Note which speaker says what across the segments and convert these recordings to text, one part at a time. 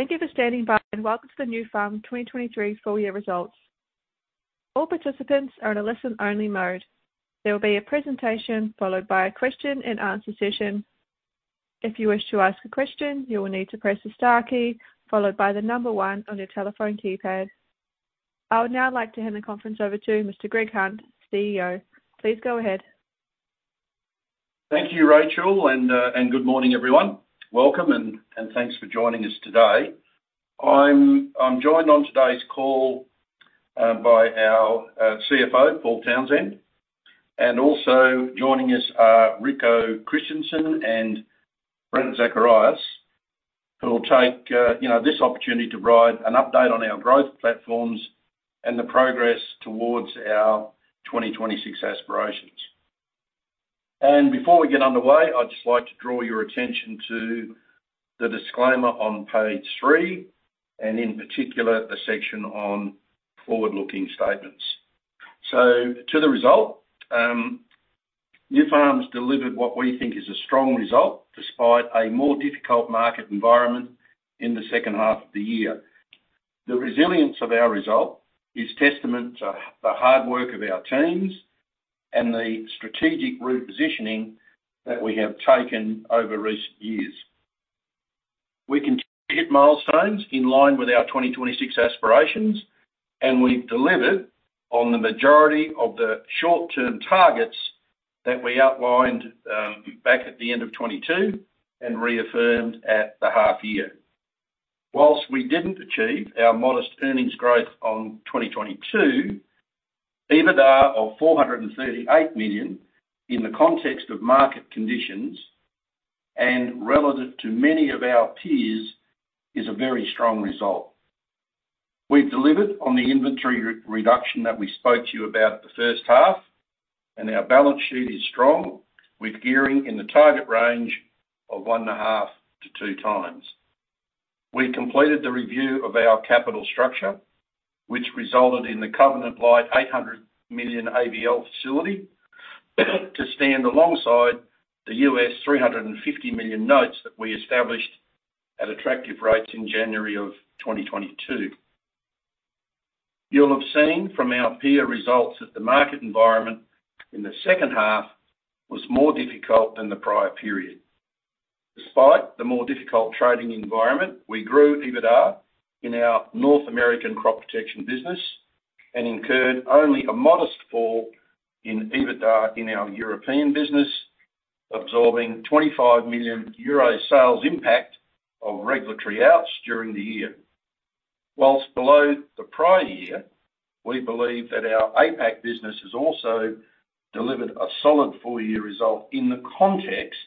Speaker 1: Thank you for standing by, and welcome to the Nufarm 2023 full year results. All participants are in a listen-only mode. There will be a presentation, followed by a question-and-answer session. If you wish to ask a question, you will need to press the star key, followed by the number one on your telephone keypad. I would now like to hand the conference over to Mr. Greg Hunt, CEO. Please go ahead.
Speaker 2: Thank you, Rachel, and good morning, everyone. Welcome, and thanks for joining us today. I'm joined on today's call by our CFO, Paul Townsend, and also joining us are Rico Christensen and Brent Zacharias, who will take, you know, this opportunity to provide an update on our growth platforms and the progress towards our 2026 aspirations. Before we get underway, I'd just like to draw your attention to the disclaimer on page 3, and in particular, the section on forward-looking statements. So to the result, Nufarm's delivered what we think is a strong result, despite a more difficult market environment in the second half of the year. The resilience of our result is testament to the hard work of our teams and the strategic route positioning that we have taken over recent years. We continue to hit milestones in line with our 2026 aspirations, and we've delivered on the majority of the short-term targets that we outlined back at the end of 2022 and reaffirmed at the half year. While we didn't achieve our modest earnings growth on 2022, EBITDA of 438 million, in the context of market conditions and relative to many of our peers, is a very strong result. We've delivered on the inventory reduction that we spoke to you about the first half, and our balance sheet is strong, with gearing in the target range of 1.5x-2x. We completed the review of our capital structure, which resulted in the covenant-light $800 million ABL facility, to stand alongside the U.S. $350 million notes that we established at attractive rates in January 2022. You'll have seen from our peer results that the market environment in the second half was more difficult than the prior period. Despite the more difficult trading environment, we grew EBITDA in our North American crop protection business and incurred only a modest fall in EBITDA in our European business, absorbing 25 million euro sales impact of regulatory outs during the year. While below the prior year, we believe that our APAC business has also delivered a solid full-year result in the context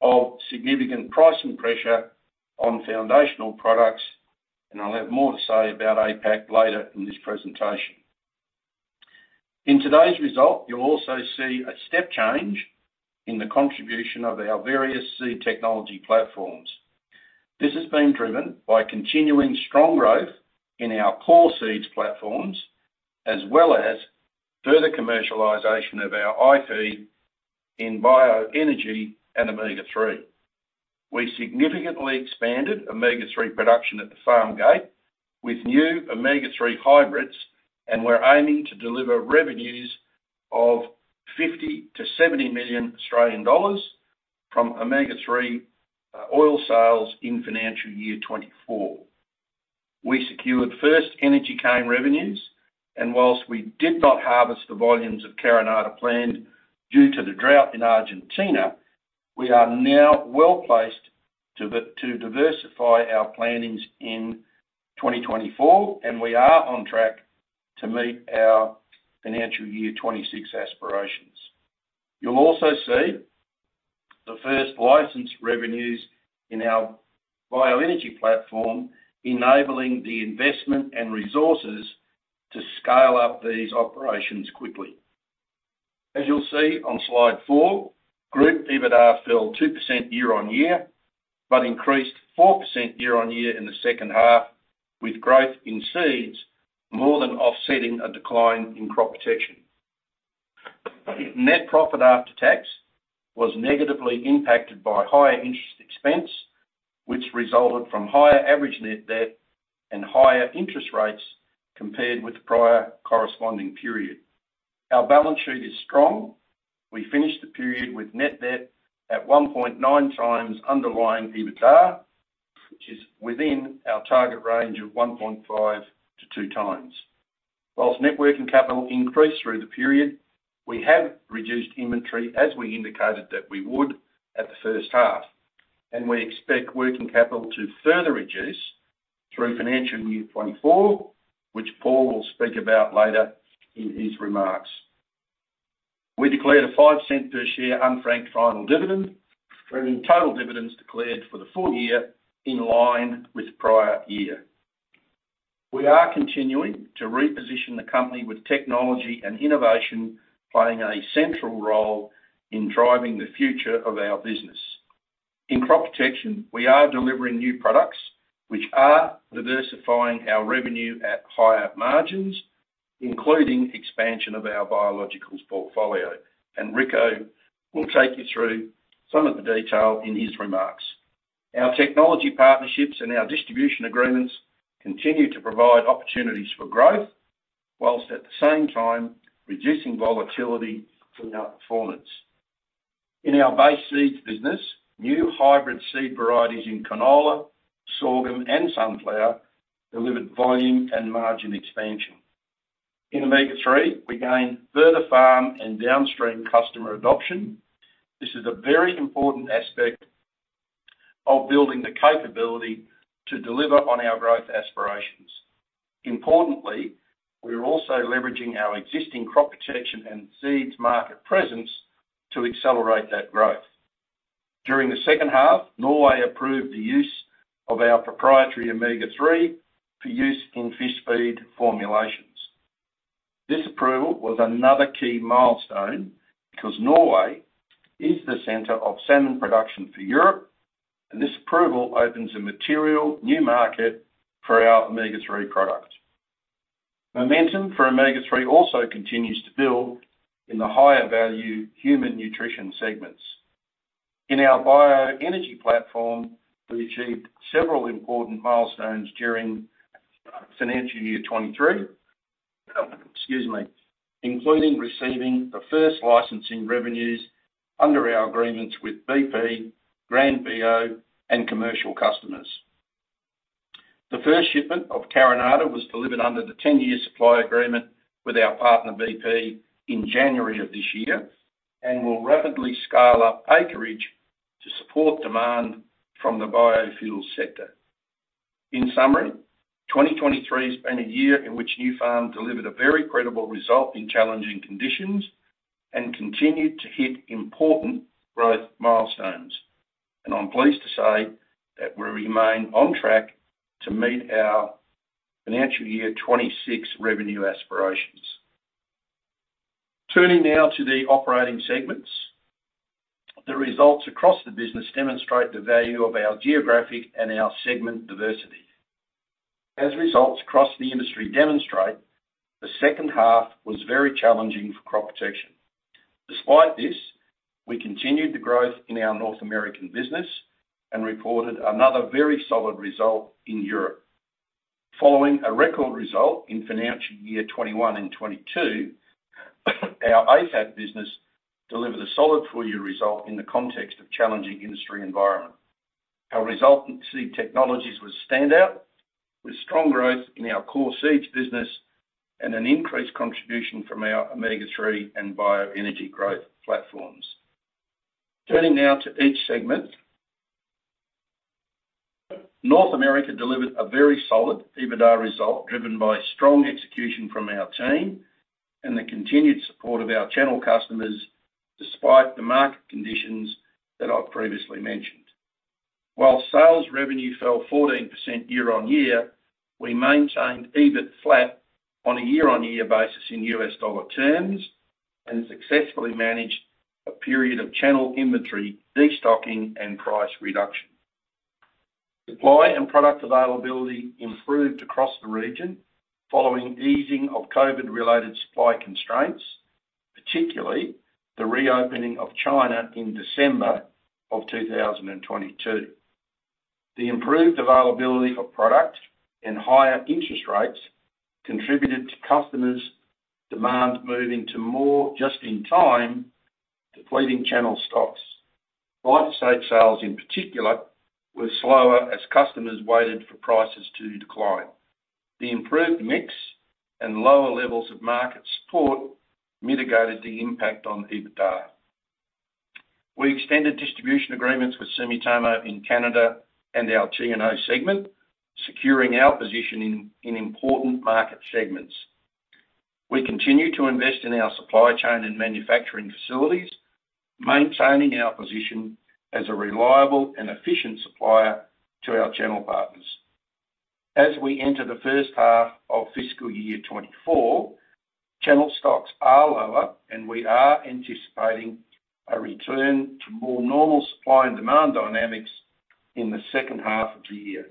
Speaker 2: of significant pricing pressure on foundational products, and I'll have more to say about APAC later in this presentation. In today's result, you'll also see a step change in the contribution of our various seed technology platforms. This has been driven by continuing strong growth in our core seeds platforms, as well as further commercialization of our IP in bioenergy and omega-3. We significantly expanded omega-3 production at the farm gate with new omega-3 hybrids, and we're aiming to deliver revenues of 50 million-70 million Australian dollars from omega-3 oil sales in financial year 2024. We secured first energy cane revenues, and whilst we did not harvest the volumes of Carinata planned due to the drought in Argentina, we are now well-placed to diversify our plantings in 2024, and we are on track to meet our financial year 2026 aspirations. You'll also see the first license revenues in our bioenergy platform, enabling the investment and resources to scale up these operations quickly. As you'll see on slide 4, group EBITDA fell 2% year-on-year, but increased 4% year-on-year in the second half, with growth in seeds more than offsetting a decline in crop protection. Net profit after tax was negatively impacted by higher interest expense, which resulted from higher average net debt and higher interest rates compared with the prior corresponding period. Our balance sheet is strong. We finished the period with net debt at 1.9x underlying EBITDA, which is within our target range of 1.5x-2x. While net working capital increased through the period, we have reduced inventory as we indicated that we would at the first half, and we expect working capital to further reduce through financial year 2024, which Paul will speak about later in his remarks. We declared a 0.05 per share, unfranked final dividend, bringing total dividends declared for the full year in line with prior year. We are continuing to reposition the company with technology and innovation, playing a central role in driving the future of our business. In crop protection, we are delivering new products which are diversifying our revenue at higher margins, including expansion of our biologicals portfolio, and Rico will take you through some of the detail in his remarks. Our technology partnerships and our distribution agreements continue to provide opportunities for growth, while at the same time reducing volatility from our performance. In our base seeds business, new hybrid seed varieties in canola, sorghum, and sunflower delivered volume and margin expansion. In Omega-3, we gained further farm and downstream customer adoption. This is a very important aspect of building the capability to deliver on our growth aspirations. Importantly, we are also leveraging our existing crop protection and seeds market presence to accelerate that growth. During the second half, Norway approved the use of our proprietary Omega-3 for use in fish feed formulations. This approval was another key milestone, because Norway is the center of salmon production for Europe, and this approval opens a material new market for our Omega-3 product. Momentum for Omega-3 also continues to build in the higher value human nutrition segments. In our bioenergy platform, we achieved several important milestones during financial year 2023, excuse me, including receiving the first licensing revenues under our agreements with BP, GranBio, and commercial customers. The first shipment of Carinata was delivered under the 10-year supply agreement with our partner, BP, in January of this year, and will rapidly scale up acreage to support demand from the biofuel sector. In summary, 2023 has been a year in which Nufarm delivered a very credible result in challenging conditions, and continued to hit important growth milestones. I'm pleased to say that we remain on track to meet our financial year 2026 revenue aspirations. Turning now to the operating segments. The results across the business demonstrate the value of our geographic and our segment diversity. As results across the industry demonstrate, the second half was very challenging for crop protection. Despite this, we continued the growth in our North American business and reported another very solid result in Europe. Following a record result in financial year 2021 and 2022, our SAF business delivered a solid full year result in the context of challenging industry environment. Our result in Seed Technologies was standout, with strong growth in our core seeds business and an increased contribution from our Omega-3 and bioenergy growth platforms. Turning now to each segment. North America delivered a very solid EBITDA result, driven by strong execution from our team and the continued support of our channel customers, despite the market conditions that I've previously mentioned. While sales revenue fell 14% year-on-year, we maintained EBIT flat on a year-on-year basis in U.S. dollar terms, and successfully managed a period of channel inventory, destocking, and price reduction. Supply and product availability improved across the region following easing of COVID-related supply constraints, particularly the reopening of China in December 2022. The improved availability of product and higher interest rates contributed to customers' demand, moving to more just-in-time, depleting channel stocks. BioSafe sales, in particular, were slower as customers waited for prices to decline. The improved mix and lower levels of market support mitigated the impact on EBITDA. We extended distribution agreements with Sumitomo in Canada and our T&O segment, securing our position in important market segments. We continue to invest in our supply chain and manufacturing facilities, maintaining our position as a reliable and efficient supplier to our channel partners. As we enter the first half of fiscal year 2024, channel stocks are lower, and we are anticipating a return to more normal supply and demand dynamics in the second half of the year.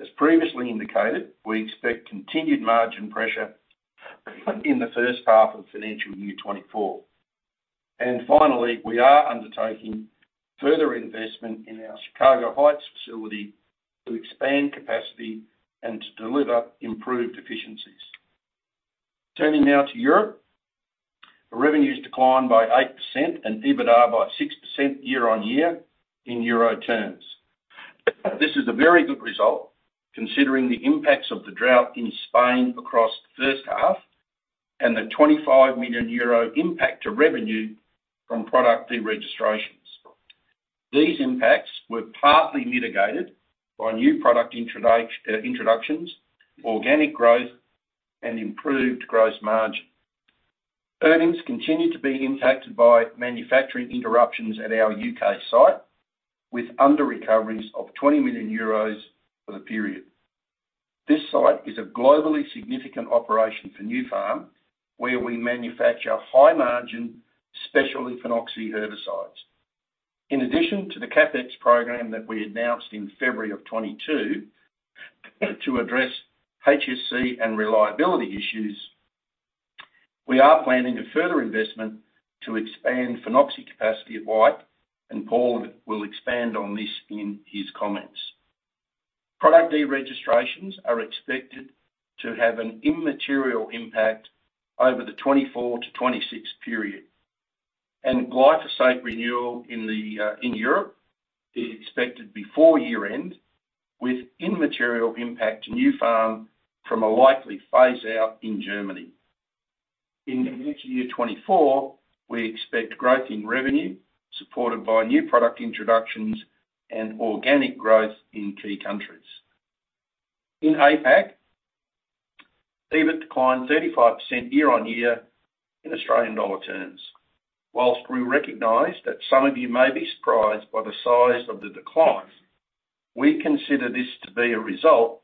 Speaker 2: As previously indicated, we expect continued margin pressure in the first half of financial year 2024. And finally, we are undertaking further investment in our Chicago Heights facility to expand capacity and to deliver improved efficiencies. Turning now to Europe. Revenues declined by 8% and EBITDA by 6% year-on-year in euro terms. This is a very good result, considering the impacts of the drought in Spain across the first half, and the 25 million euro impact to revenue from product de-registrations. These impacts were partly mitigated by new product introductions, organic growth, and improved gross margin. Earnings continued to be impacted by manufacturing interruptions at our U.K. site, with under-recoveries of 20 million euros for the period. This site is a globally significant operation for Nufarm, where we manufacture high-margin, specialty phenoxy herbicides. In addition to the CapEx program that we announced in February of 2022, to address HSE and reliability issues, we are planning a further investment to expand phenoxy capacity at Wyke, and Paul will expand on this in his comments. Product de-registrations are expected to have an immaterial impact over the 2024-2026 period. Glyphosate renewal in Europe is expected before year-end, with immaterial impact to Nufarm from a likely phase-out in Germany. In the financial year 2024, we expect growth in revenue, supported by new product introductions and organic growth in key countries. In APAC, EBIT declined 35% year-on-year in AUD terms. While we recognize that some of you may be surprised by the size of the decline, we consider this to be a result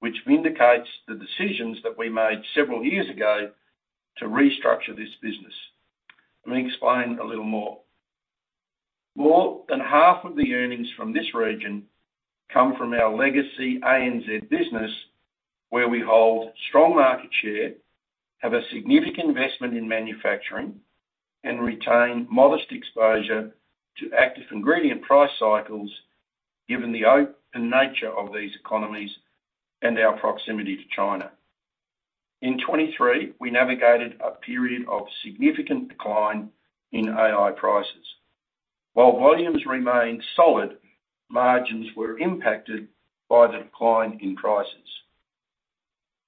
Speaker 2: which vindicates the decisions that we made several years ago to restructure this business. Let me explain a little more. More than half of the earnings from this region come from our legacy ANZ business, where we hold strong market share, have a significant investment in manufacturing, and retain modest exposure to active ingredient price cycles, given the open nature of these economies and our proximity to China. In 2023, we navigated a period of significant decline in AI prices. While volumes remained solid, margins were impacted by the decline in prices.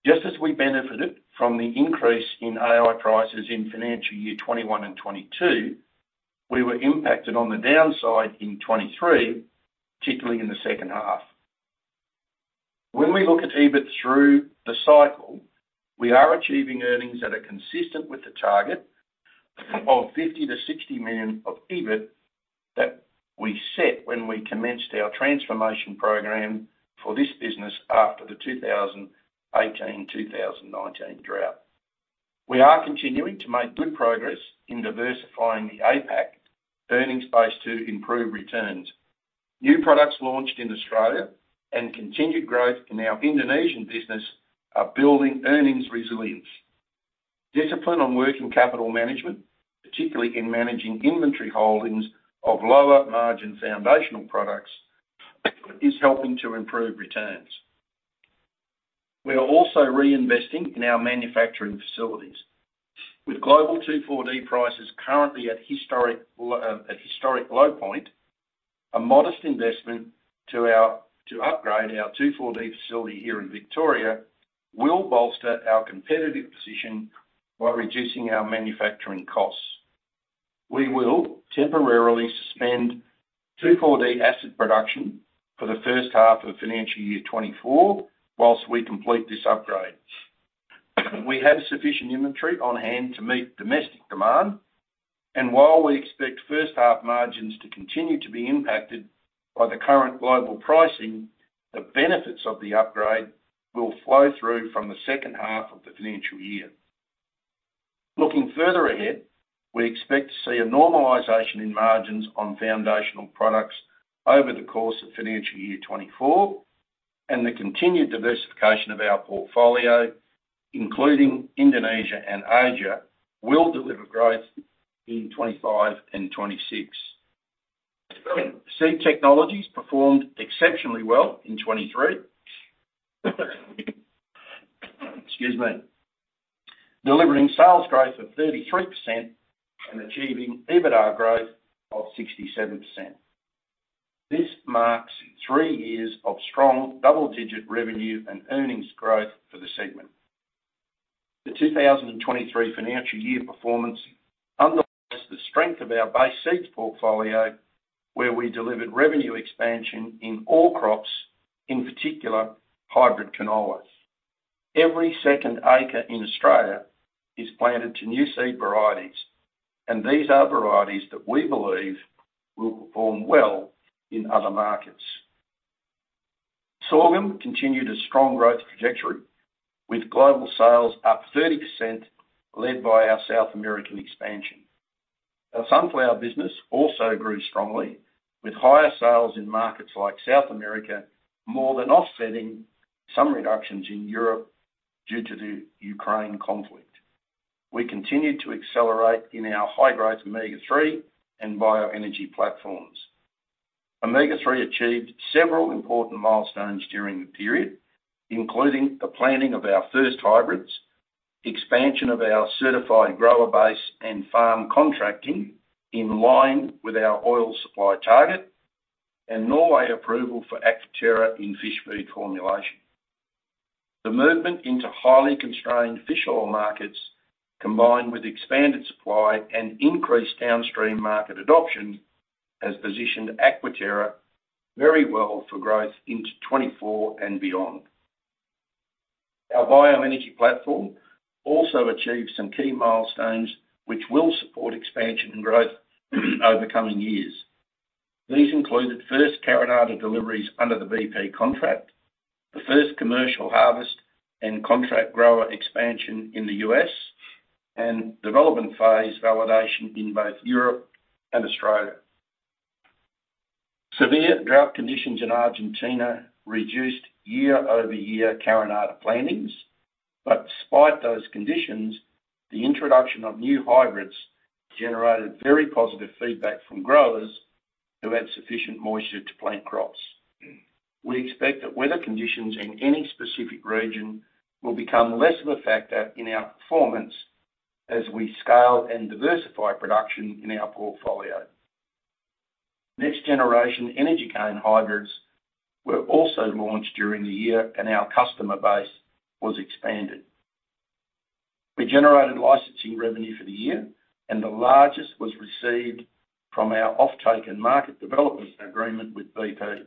Speaker 2: Just as we benefited from the increase in AI prices in financial year 2021 and 2022, we were impacted on the downside in 2023, particularly in the second half. When we look at EBIT through the cycle, we are achieving earnings that are consistent with the target of 50 million-60 million of EBIT that we set when we commenced our transformation program for this business after the 2018, 2019 drought. We are continuing to make good progress in diversifying the APAC earnings base to improve returns. New products launched in Australia and continued growth in our Indonesian business are building earnings resilience. Discipline on working capital management, particularly in managing inventory holdings of lower-margin foundational products, is helping to improve returns. We are also reinvesting in our manufacturing facilities. With global 2,4-D prices currently at historic low point, a modest investment to upgrade our 2,4-D facility here in Victoria, will bolster our competitive position while reducing our manufacturing costs. We will temporarily suspend 2,4-D acid production for the first half of financial year 2024, while we complete this upgrade. We have sufficient inventory on hand to meet domestic demand, and while we expect first half margins to continue to be impacted by the current global pricing, the benefits of the upgrade will flow through from the second half of the financial year. Looking further ahead, we expect to see a normalization in margins on foundational products over the course of financial year 2024, and the continued diversification of our portfolio, including Indonesia and Asia, will deliver growth in 2025 and 2026. Seed technologies performed exceptionally well in 2023. Excuse me. Delivering sales growth of 33% and achieving EBITDA growth of 67%. This marks 3 years of strong double-digit revenue and earnings growth for the segment. The 2023 financial year performance underlines the strength of our base seeds portfolio, where we delivered revenue expansion in all crops, in particular, hybrid canola. Every second acre in Australia is planted to new seed varieties, and these are varieties that we believe will perform well in other markets. Sorghum continued a strong growth trajectory, with global sales up 30%, led by our South American expansion. Our sunflower business also grew strongly, with higher sales in markets like South America, more than offsetting some reductions in Europe due to the Ukraine conflict. We continued to accelerate in our high-growth Omega-3 and bioenergy platforms. Omega-3 achieved several important milestones during the period, including the planning of our first hybrids, expansion of our certified grower base and farm contracting in line with our oil supply target, and Norway approval for Aquaterra in fish feed formulation. The movement into highly constrained fish oil markets, combined with expanded supply and increased downstream market adoption, has positioned Aquaterra very well for growth into 2024 and beyond. Our bioenergy platform also achieved some key milestones, which will support expansion and growth over coming years. These included first Carinata deliveries under the BP contract, the first commercial harvest and contract grower expansion in the U.S. and development phase validation in both Europe and Australia. Severe drought conditions in Argentina reduced year-over-year Carinata plantings, but despite those conditions, the introduction of new hybrids generated very positive feedback from growers who had sufficient moisture to plant crops. We expect that weather conditions in any specific region will become less of a factor in our performance as we scale and diversify production in our portfolio. Next generation energy cane hybrids were also launched during the year, and our customer base was expanded. We generated licensing revenue for the year, and the largest was received from our offtake and market development agreement with BP.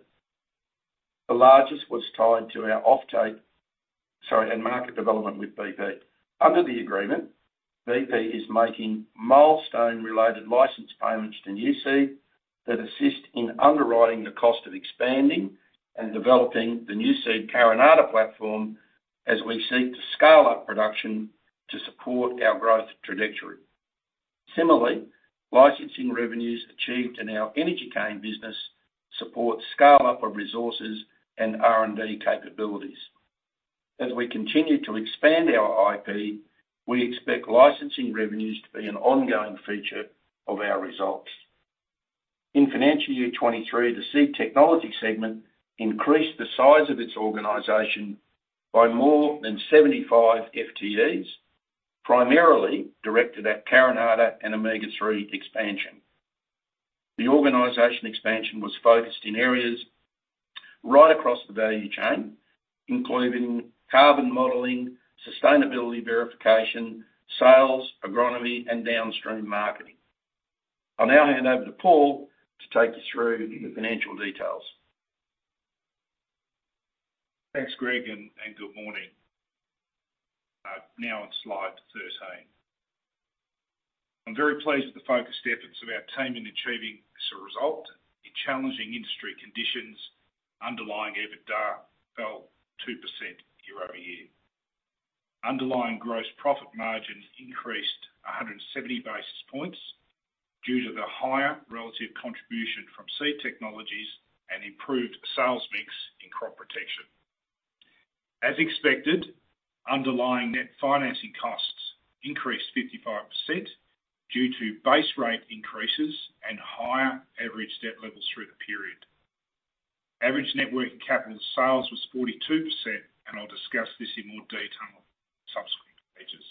Speaker 2: The largest was tied to our offtake, sorry, and market development with BP. Under the agreement, BP is making milestone-related license payments to Nuseed that assist in underwriting the cost of expanding and developing the Nuseed Carinata platform as we seek to scale up production to support our growth trajectory. Similarly, licensing revenues achieved in our energy cane business support scale-up of resources and R&D capabilities. As we continue to expand our IP, we expect licensing revenues to be an ongoing feature of our results. In financial year 2023, the Seed Technology segment increased the size of its organization by more than 75 FTEs, primarily directed at Carinata and omega-3 expansion. The organization expansion was focused in areas right across the value chain, including carbon modeling, sustainability verification, sales, agronomy, and downstream marketing. I'll now hand over to Paul to take you through the financial details.
Speaker 3: Thanks, Greg, and good morning. Now on slide thirteen. I'm very pleased with the focused efforts of our team in achieving this result in challenging industry conditions. Underlying EBITDA fell 2% year-over-year. Underlying gross profit margin increased 170 basis points due to the higher relative contribution from Seed Technologies and improved sales mix in crop protection. As expected, underlying net financing costs increased 55% due to base rate increases and higher average debt levels through the period. Average net working capital sales was 42%, and I'll discuss this in more detail on subsequent pages.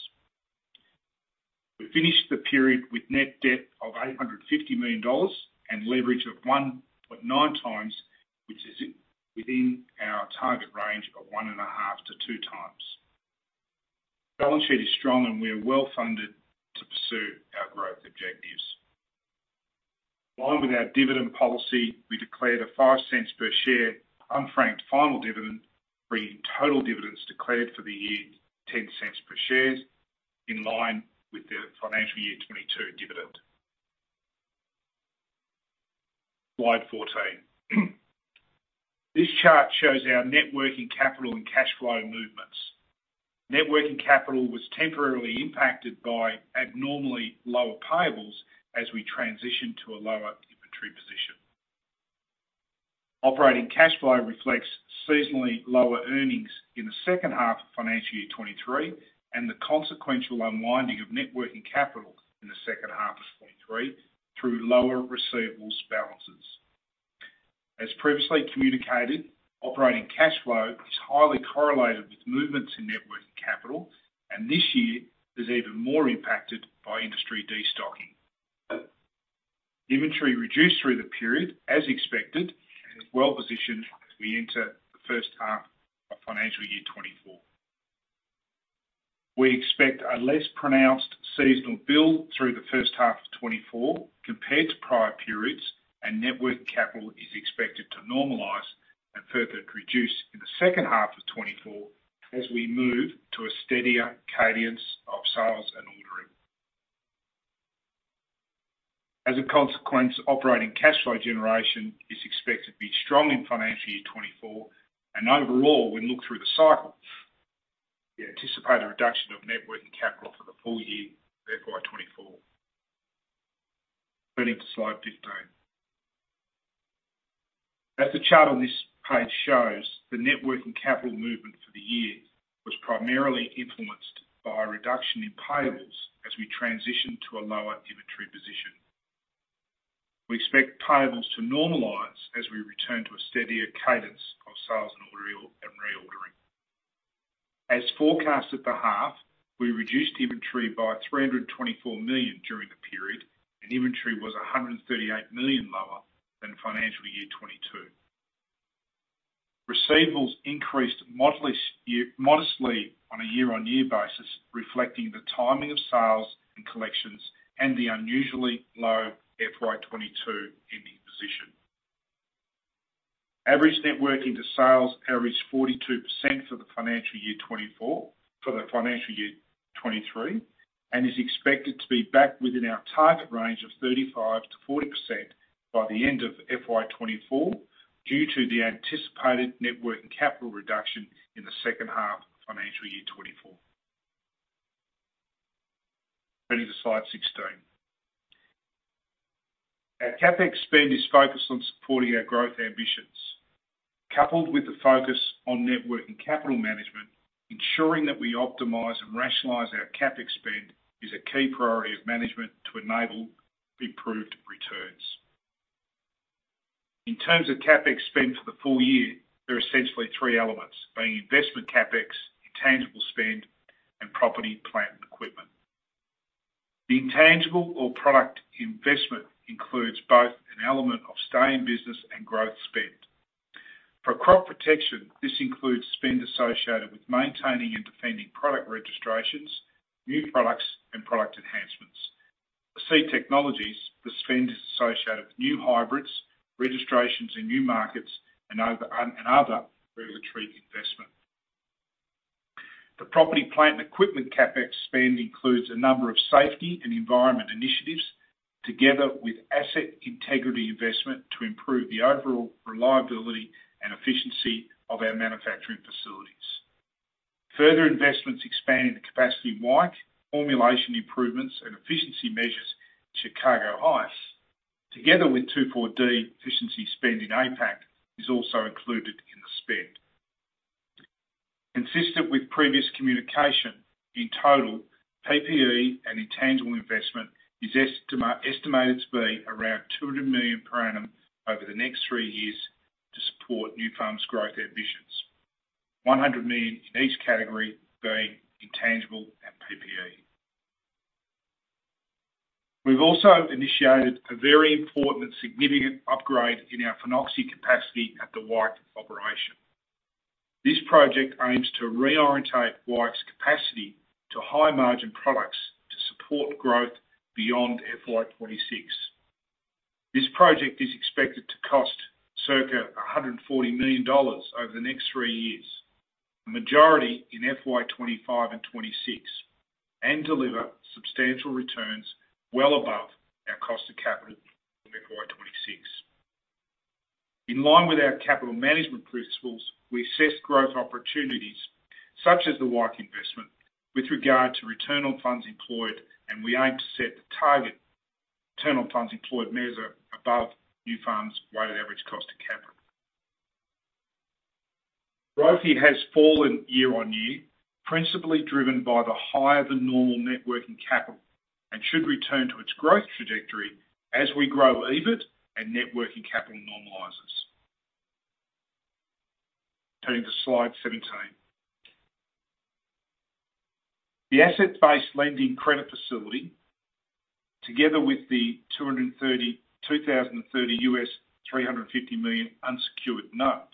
Speaker 3: We finished the period with net debt of 850 million dollars and leverage of 1.9x, which is within our target range of 1.5x-2x. Balance sheet is strong, and we are well-funded to pursue our growth objectives. Along with our dividend policy, we declared 0.05 per share, unfranked final dividend, bringing total dividends declared for the year, 0.10 per share, in line with the financial year 2022 dividend. Slide 14. This chart shows our net working capital and cash flow movements. Net working capital was temporarily impacted by abnormally lower payables as we transitioned to a lower inventory position. Operating cash flow reflects seasonally lower earnings in the second half of financial year 2023, and the consequential unwinding of net working capital in the second half of 2023 through lower receivables balances. As previously communicated, operating cash flow is highly correlated with movements in net working capital, and this year is even more impacted by industry destocking. Inventory reduced through the period, as expected, and is well positioned as we enter the first half of financial year 2024. We expect a less pronounced seasonal build through the first half of 2024 compared to prior periods, and net working capital is expected to normalize and further reduce in the second half of 2024 as we move to a steadier cadence of sales and ordering. As a consequence, operating cash flow generation is expected to be strong in financial year 2024, and overall, when looked through the cycle, we anticipate a reduction of net working capital for the full year, FY 2024. Turning to slide 15. As the chart on this page shows, the net working capital movement for the year was primarily influenced by a reduction in payables as we transitioned to a lower inventory position. We expect payables to normalize as we return to a steadier cadence of sales and ordering, and reordering. As forecasted at the half, we reduced inventory by 324 million during the period, and inventory was 138 million lower than financial year 2022. Receivables increased modestly year, modestly on a year-on-year basis, reflecting the timing of sales and collections and the unusually low FY 2022 ending position. Average net working to sales averaged 42% for the financial year 2024, for the financial year 2023, and is expected to be back within our target range of 35%-40% by the end of FY 2024, due to the anticipated net working capital reduction in the second half of financial year 2024. Turning to slide 16. Our CapEx spend is focused on supporting our growth ambitions. Coupled with the focus on network and capital management, ensuring that we optimize and rationalize our CapEx spend is a key priority of management to enable improved returns. In terms of CapEx spend for the full year, there are essentially three elements, being investment CapEx, intangible spend, and property, plant, and equipment. The intangible or product investment includes both an element of stay in business and growth spend. For crop protection, this includes spend associated with maintaining and defending product registrations, new products, and product enhancements. For Seed Technologies, the spend is associated with new hybrids, registrations in new markets, and over, and other regulatory investment. The property, plant, and equipment CapEx spend includes a number of safety and environment initiatives, together with asset integrity investment to improve the overall reliability and efficiency of our manufacturing facilities. Further investments expanding the capacity at Wyke, formulation improvements, and efficiency measures in Chicago Heights, together with 2,4-D efficiency spend in APAC, is also included in the spend. Consistent with previous communication, in total, PPE and intangible investment is estimated to be around 200 million per annum over the next 3 years to support Nufarm's growth ambitions. 100 million in each category being intangible and PPE. We've also initiated a very important and significant upgrade in our phenoxy capacity at the Wyke operation. This project aims to reorient Wyke's capacity to high-margin products to support growth beyond FY 2026. This project is expected to cost circa 140 million dollars over the next 3 years, a majority in FY 2025 and 2026, and deliver substantial returns well above our cost of capital in FY 2026. In line with our capital management principles, we assess growth opportunities, such as the Wyke investment, with regard to return on funds employed, and we aim to set the target return on funds employed measure above Nufarm's weighted average cost of capital. ROIC has fallen year on year, principally driven by the higher than normal net working capital, and should return to its growth trajectory as we grow EBIT and net working capital normalizes. Turning to slide 17. The asset-based lending credit facility, together with the 2023 $350 million unsecured notes,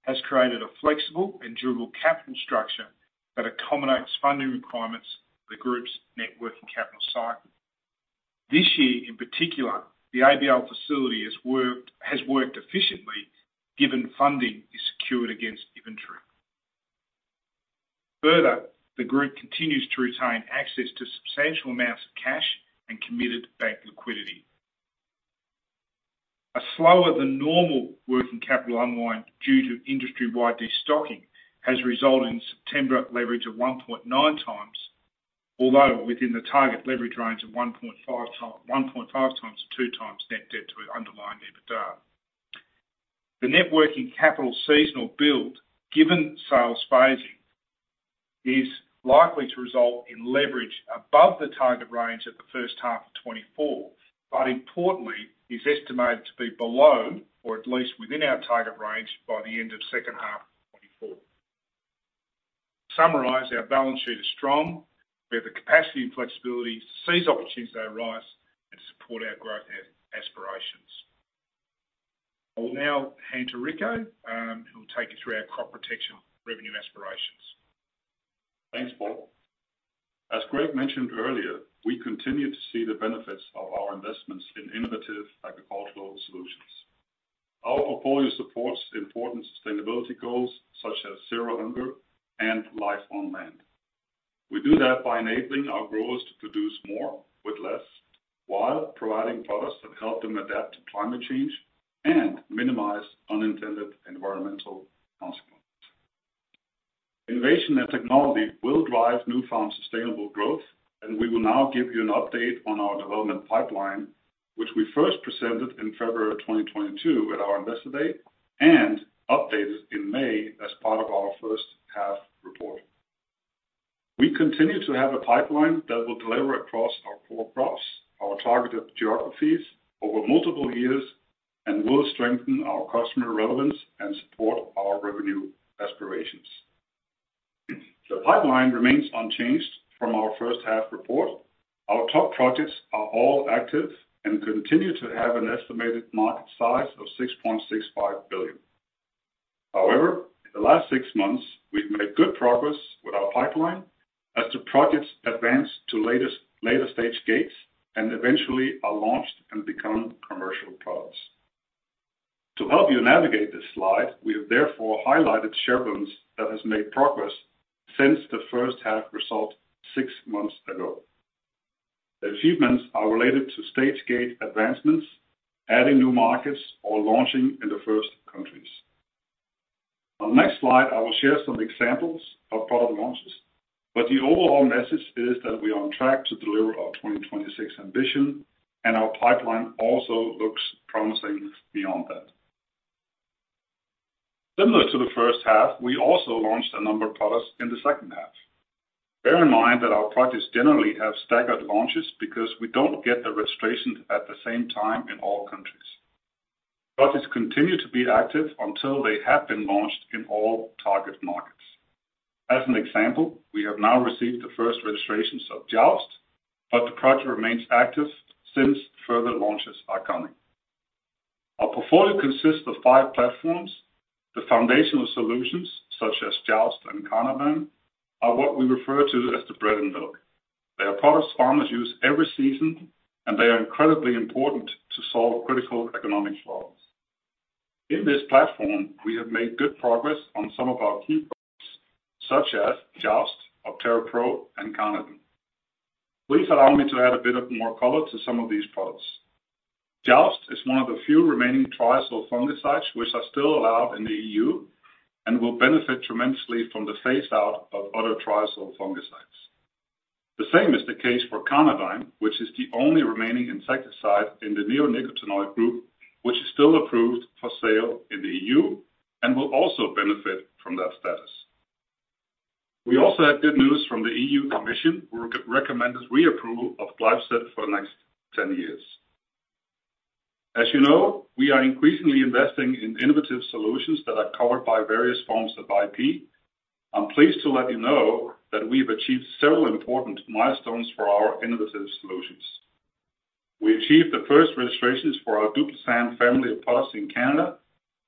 Speaker 3: has created a flexible and durable capital structure that accommodates funding requirements for the group's net working capital cycle. This year, in particular, the ABL facility has worked efficiently, given funding is secured against inventory. Further, the group continues to retain access to substantial amounts of cash and committed bank liquidity. A slower than normal working capital unwind due to industry-wide destocking has resulted in September leverage of 1.9x, although within the target leverage range of 1.5x-2x net debt to underlying EBITDA. The net working capital seasonal build, given sales phasing, is likely to result in leverage above the target range at the first half of 2024, but importantly, is estimated to be below or at least within our target range by the end of second half 2024. To summarize, our balance sheet is strong. We have the capacity and flexibility to seize opportunities that arise and support our growth aspirations. I will now hand to Rico, who will take you through our crop protection revenue aspirations.
Speaker 4: Thanks, Paul. As Greg mentioned earlier, we continue to see the benefits of our investments in innovative agricultural solutions. Our portfolio supports important sustainability goals, such as zero hunger and life on land. We do that by enabling our growers to produce more with less, while providing products that help them adapt to climate change and minimize unintended environmental consequences. Innovation and technology will drive Nufarm's sustainable growth, and we will now give you an update on our development pipeline, which we first presented in February of 2022 at our Investor Day and updated in May as part of our first half report. We continue to have a pipeline that will deliver across our core crops, our targeted geographies over multiple years, and will strengthen our customer relevance and support our revenue aspirations. The pipeline remains unchanged from our first half report. Our top projects are all active and continue to have an estimated market size of 6.65 billion. However, in the last six months, we've made good progress with our pipeline as the projects advance to latest, later stage gates and eventually are launched and become commercial products. To help you navigate this slide, we have therefore highlighted chevrons that has made progress since the first half result six months ago. The achievements are related to stage gate advancements, adding new markets, or launching in the first countries. On next slide, I will share some examples of product launches, but the overall message is that we are on track to deliver our 2026 ambition, and our pipeline also looks promising beyond that. Similar to the first half, we also launched a number of products in the second half. Bear in mind that our projects generally have staggered launches because we don't get the registration at the same time in all countries. Projects continue to be active until they have been launched in all target markets. As an example, we have now received the first registrations of Joust, but the project remains active since further launches are coming. Our portfolio consists of five platforms. The foundational solutions, such as Joust and Carnadine, are what we refer to as the bread and milk. They are products farmers use every season, and they are incredibly important to solve critical economic flaws. In this platform, we have made good progress on some of our key products, such as Joust, Optera Pro, and Carnadine. Please allow me to add a bit of more color to some of these products. Joust is one of the few remaining triazole fungicides, which are still allowed in the EU and will benefit tremendously from the phase-out of other triazole fungicides. The same is the case for Carnadine, which is the only remaining insecticide in the neonicotinoid group, which is still approved for sale in the EU and will also benefit from that status. We also have good news from the EU Commission, who recommended reapproval of glyphosate for the next ten years. As you know, we are increasingly investing in innovative solutions that are covered by various forms of IP. I'm pleased to let you know that we've achieved several important milestones for our innovative solutions. We achieved the first registrations for our Duplosan family of products in Canada,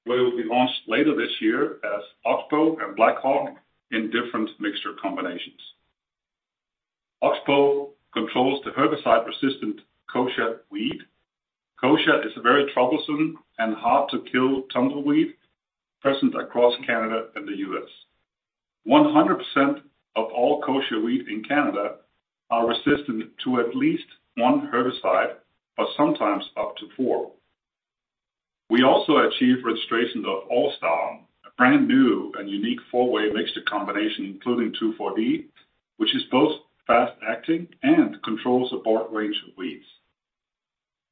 Speaker 4: where it will be launched later this year as Oxbow and BlackHawk in different mixture combinations. Oxbow controls the herbicide-resistant kochia weed. Kochia is a very troublesome and hard-to-kill tumbleweed, present across Canada and the U.S. 100% of all kochia weed in Canada are resistant to at least one herbicide, or sometimes up to four. We also achieved registrations of Allstar, a brand new and unique four-way mixture combination, including 2,4-D, which is both fast-acting and controls a broad range of weeds.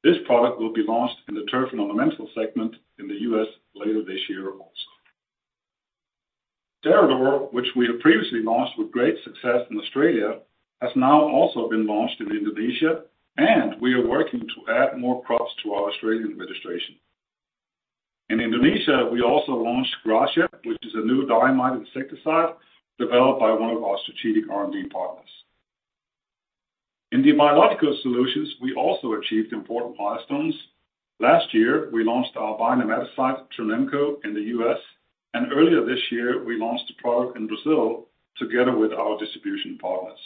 Speaker 4: This product will be launched in the turf and ornamental segment in the U.S. later this year also. Terrad’or, which we have previously launched with great success in Australia, has now also been launched in Indonesia, and we are working to add more crops to our Australian registration. In Indonesia, we also launched Gracia, which is a new diamide insecticide developed by one of our strategic R&D partners. In the biological solutions, we also achieved important milestones. Last year, we launched our bio-nematicide, Trunemco, in the U.S., and earlier this year, we launched a product in Brazil together with our distribution partners.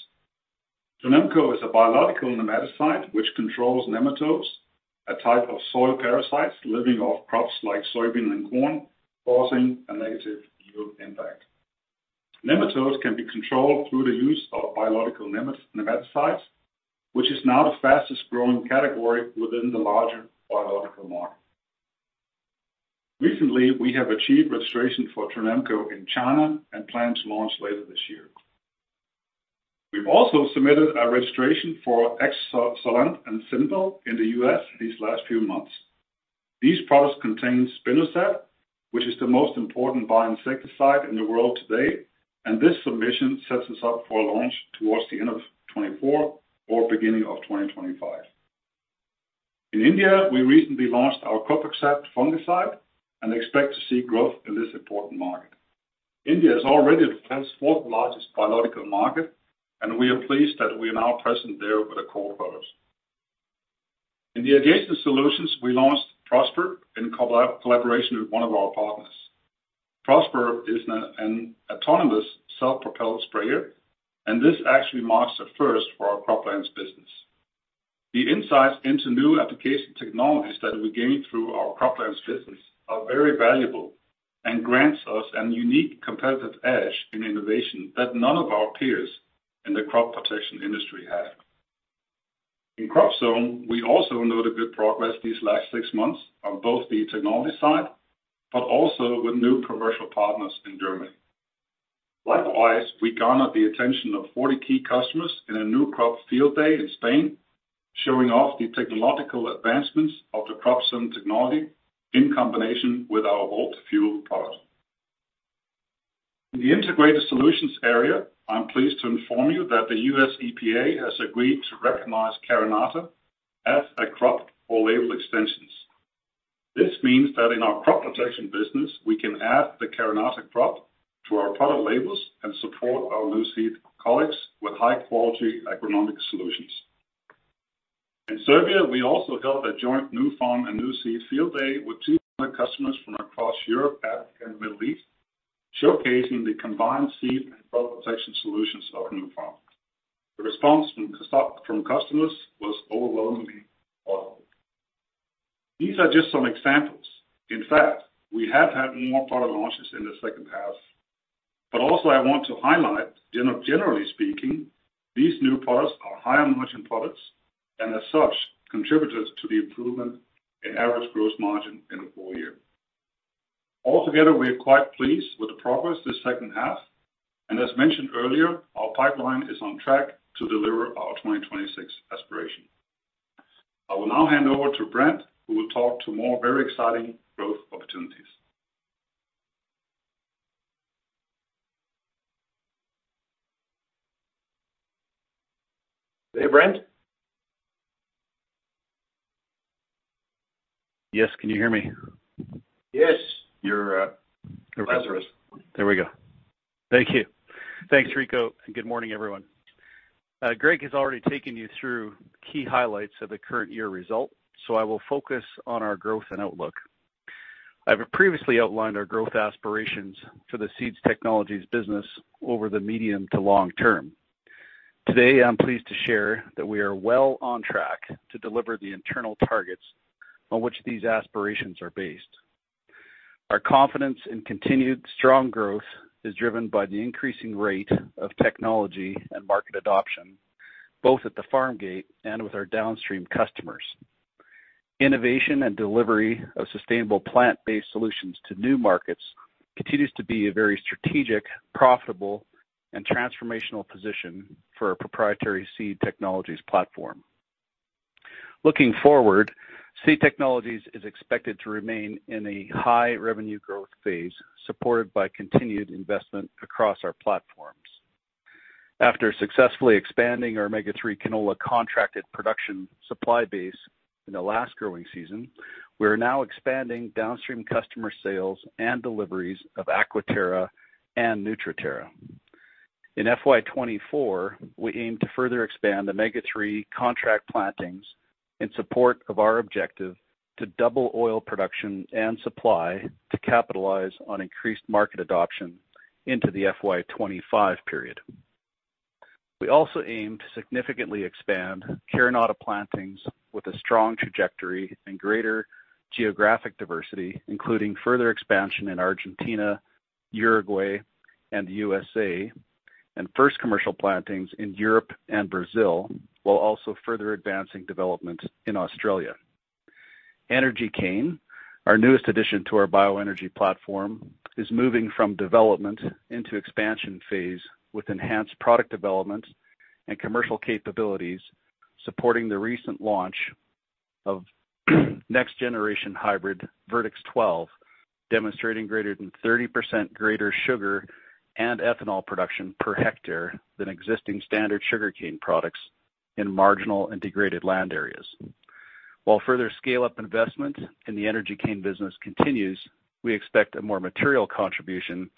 Speaker 4: Trunemco is a biological nematicide, which controls nematodes, a type of soil parasites living off crops like soybean and corn, causing a negative yield impact. Nematodes can be controlled through the use of biological nematicides, which is now the fastest-growing category within the larger biological market. Recently, we have achieved registration for Trunemco in China and plan to launch later this year. We've also submitted a registration for Exsolant and Simpell in the U.S. these last few months. These products contain Spinosad, which is the most important bioinsecticide in the world today, and this submission sets us up for a launch towards the end of 2024 or beginning of 2025. In India, we recently launched our Cuproxat fungicide and expect to see growth in this important market. India is already the world's fourth largest biological market, and we are pleased that we are now present there with a core product. In the adjacent solutions, we launched Prospr in collaboration with one of our partners. Prospr is an autonomous, self-propelled sprayer, and this actually marks a first for our croplands business. The insights into new application technologies that we gain through our croplands business are very valuable and grants us a unique competitive edge in innovation that none of our peers in the crop protection industry have. In Crop.zone, we also noted good progress these last six months on both the technology side, but also with new commercial partners in Germany. Likewise, we garnered the attention of 40 key customers in a new crop field day in Spain, showing off the technological advancements of the Crop.zone technology in combination with our VOLT.fuel product. In the integrated solutions area, I'm pleased to inform you that the U.S. EPA has agreed to recognize Carinata as a crop for label extensions. This means that in our crop protection business, we can add the Carinata crop to our product labels and support our Nuseed colleagues with high-quality agronomic solutions. In Serbia, we also held a joint Nufarm and Nuseed field day with 200 customers from across Europe, Africa, and the Middle East, showcasing the combined seed and crop protection solutions of Nufarm. The response from customers was overwhelmingly positive. These are just some examples. In fact, we have had more product launches in the second half. But also, I want to highlight, generally speaking, these new products are higher margin products, and as such, contributors to the improvement in average gross margin in the full year. Altogether, we are quite pleased with the progress this second half, and as mentioned earlier, our pipeline is on track to deliver our 2026 aspiration. I will now hand over to Brent, who will talk to more very exciting growth opportunities. Hey, Brent?
Speaker 5: Yes. Can you hear me?
Speaker 2: Yes, you're Lazarus.
Speaker 5: There we go. Thank you. Thanks, Rico, and good morning, everyone. Greg has already taken you through key highlights of the current year result, so I will focus on our growth and outlook. I've previously outlined our growth aspirations for the Seed Technologies business over the medium to long term. Today, I'm pleased to share that we are well on track to deliver the internal targets on which these aspirations are based. Our confidence in continued strong growth is driven by the increasing rate of technology and market adoption, both at the farm gate and with our downstream customers. Innovation and delivery of sustainable plant-based solutions to new markets continues to be a very strategic, profitable, and transformational position for our proprietary Seed Technologies platform. Looking forward, Seed Technologies is expected to remain in a high revenue growth phase, supported by continued investment across our platforms. After successfully expanding our omega-3 canola contracted production supply base in the last growing season, we are now expanding downstream customer sales and deliveries of Aquaterra and Nutriterra. In FY 2024, we aim to further expand omega-3 contract plantings in support of our objective to double oil production and supply to capitalize on increased market adoption into the FY 2025 period. We also aim to significantly expand Carinata plantings with a strong trajectory and greater geographic diversity, including further expansion in Argentina, Uruguay, and the USA, and first commercial plantings in Europe and Brazil, while also further advancing development in Australia. Energy cane, our newest addition to our bioenergy platform, is moving from development into expansion phase, with enhanced product development and commercial capabilities, supporting the recent launch of next-generation hybrid Vertex 12, demonstrating greater than 30% greater sugar and ethanol production per hectare than existing standard sugarcane products in marginal integrated land areas. While further scale-up investment in the energy cane business continues, we expect a more material contribution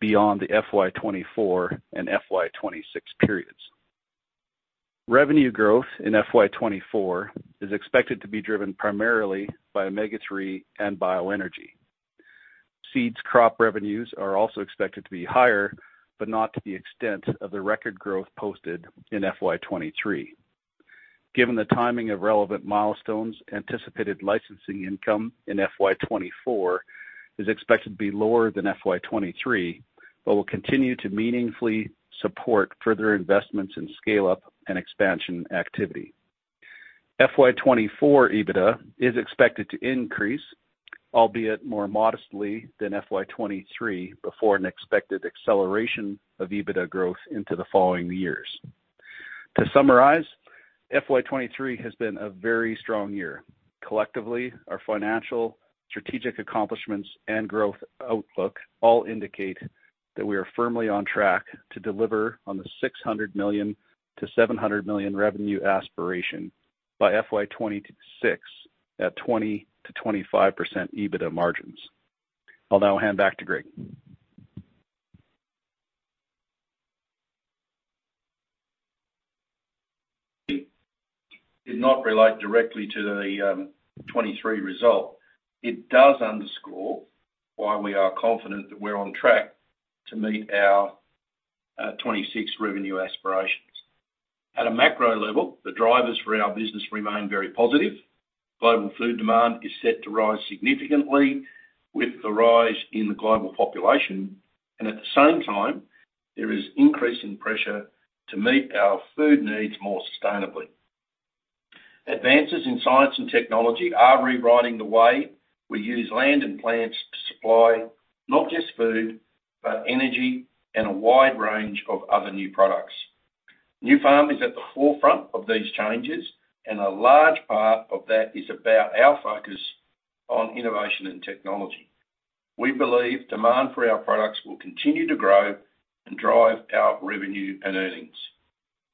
Speaker 5: beyond the FY 2024 and FY 2026 periods. Revenue growth in FY 2024 is expected to be driven primarily by omega-3 and bioenergy. Seeds crop revenues are also expected to be higher, but not to the extent of the record growth posted in FY 2023. Given the timing of relevant milestones, anticipated licensing income in FY 2024 is expected to be lower than FY 2023, but will continue to meaningfully support further investments in scale-up and expansion activity. FY 2024 EBITDA is expected to increase, albeit more modestly than FY 2023, before an expected acceleration of EBITDA growth into the following years. To summarize, FY 2023 has been a very strong year. Collectively, our financial, strategic accomplishments and growth outlook all indicate that we are firmly on track to deliver on the 600 million-700 million revenue aspiration by FY 2026, at 20%-25% EBITDA margins. I'll now hand back to Greg.
Speaker 2: Did not relate directly to the 2023 result. It does underscore why we are confident that we're on track to meet our 2026 revenue aspirations. At a macro level, the drivers for our business remain very positive. Global food demand is set to rise significantly with the rise in the global population, and at the same time, there is increasing pressure to meet our food needs more sustainably. Advances in science and technology are rewriting the way we use land and plants to supply not just food, but energy and a wide range of other new products. Nufarm is at the forefront of these changes, and a large part of that is about our focus on innovation and technology. We believe demand for our products will continue to grow and drive our revenue and earnings.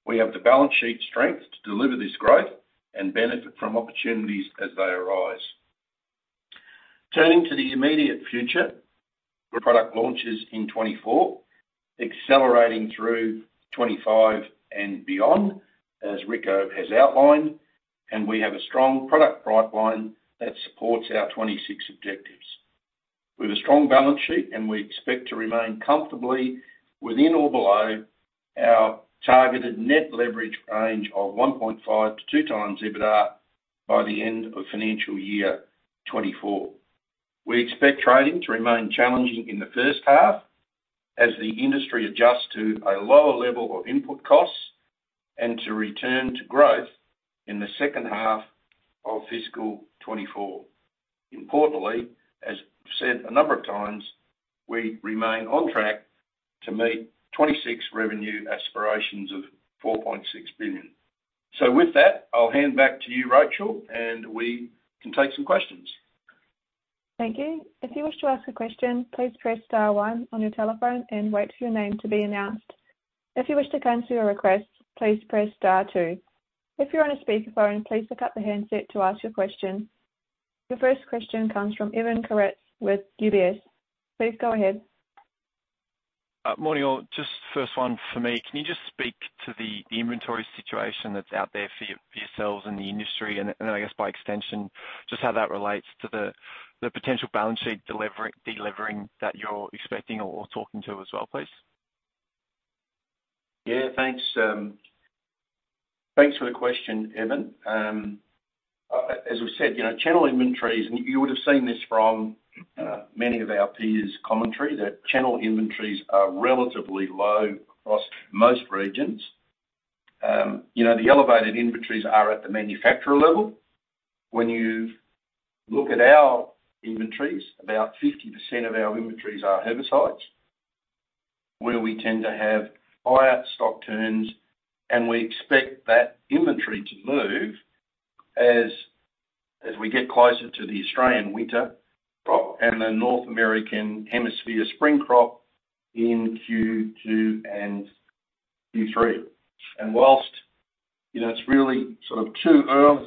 Speaker 2: We have the balance sheet strength to deliver this growth and benefit from opportunities as they arise. Turning to the immediate future, product launches in 2024, accelerating through 2025 and beyond, as Rico has outlined, and we have a strong product pipeline that supports our 2026 objectives. We have a strong balance sheet, and we expect to remain comfortably within or below our targeted net leverage range of 1.5x-2x EBITDA by the end of financial year 2024. We expect trading to remain challenging in the first half as the industry adjusts to a lower level of input costs and to return to growth in the second half of fiscal 2024. Importantly, as I've said a number of times, we remain on track to meet 2026 revenue aspirations of 4.6 billion. With that, I'll hand back to you, Rachel, and we can take some questions.
Speaker 1: Thank you. If you wish to ask a question, please press star one on your telephone and wait for your name to be announced. If you wish to cancel your request, please press star two. If you're on a speakerphone, please pick up the handset to ask your question. The first question comes from Evan Karatzas with UBS. Please go ahead.
Speaker 6: Morning, all. Just first one for me: Can you just speak to the inventory situation that's out there for your, for yourselves and the industry, and then, I guess, by extension, just how that relates to the potential balance sheet delivering that you're expecting or talking to as well, please?
Speaker 2: Yeah, thanks. Thanks for the question, Evan. As we said, you know, channel inventories, and you would have seen this from many of our peers' commentary, that channel inventories are relatively low across most regions. You know, the elevated inventories are at the manufacturer level. When you look at our inventories, about 50% of our inventories are herbicides, where we tend to have higher stock turns, and we expect that inventory to move as we get closer to the Australian winter crop and the North American hemisphere spring crop in Q2 and Q3. Whilst, you know, it's really sort of too early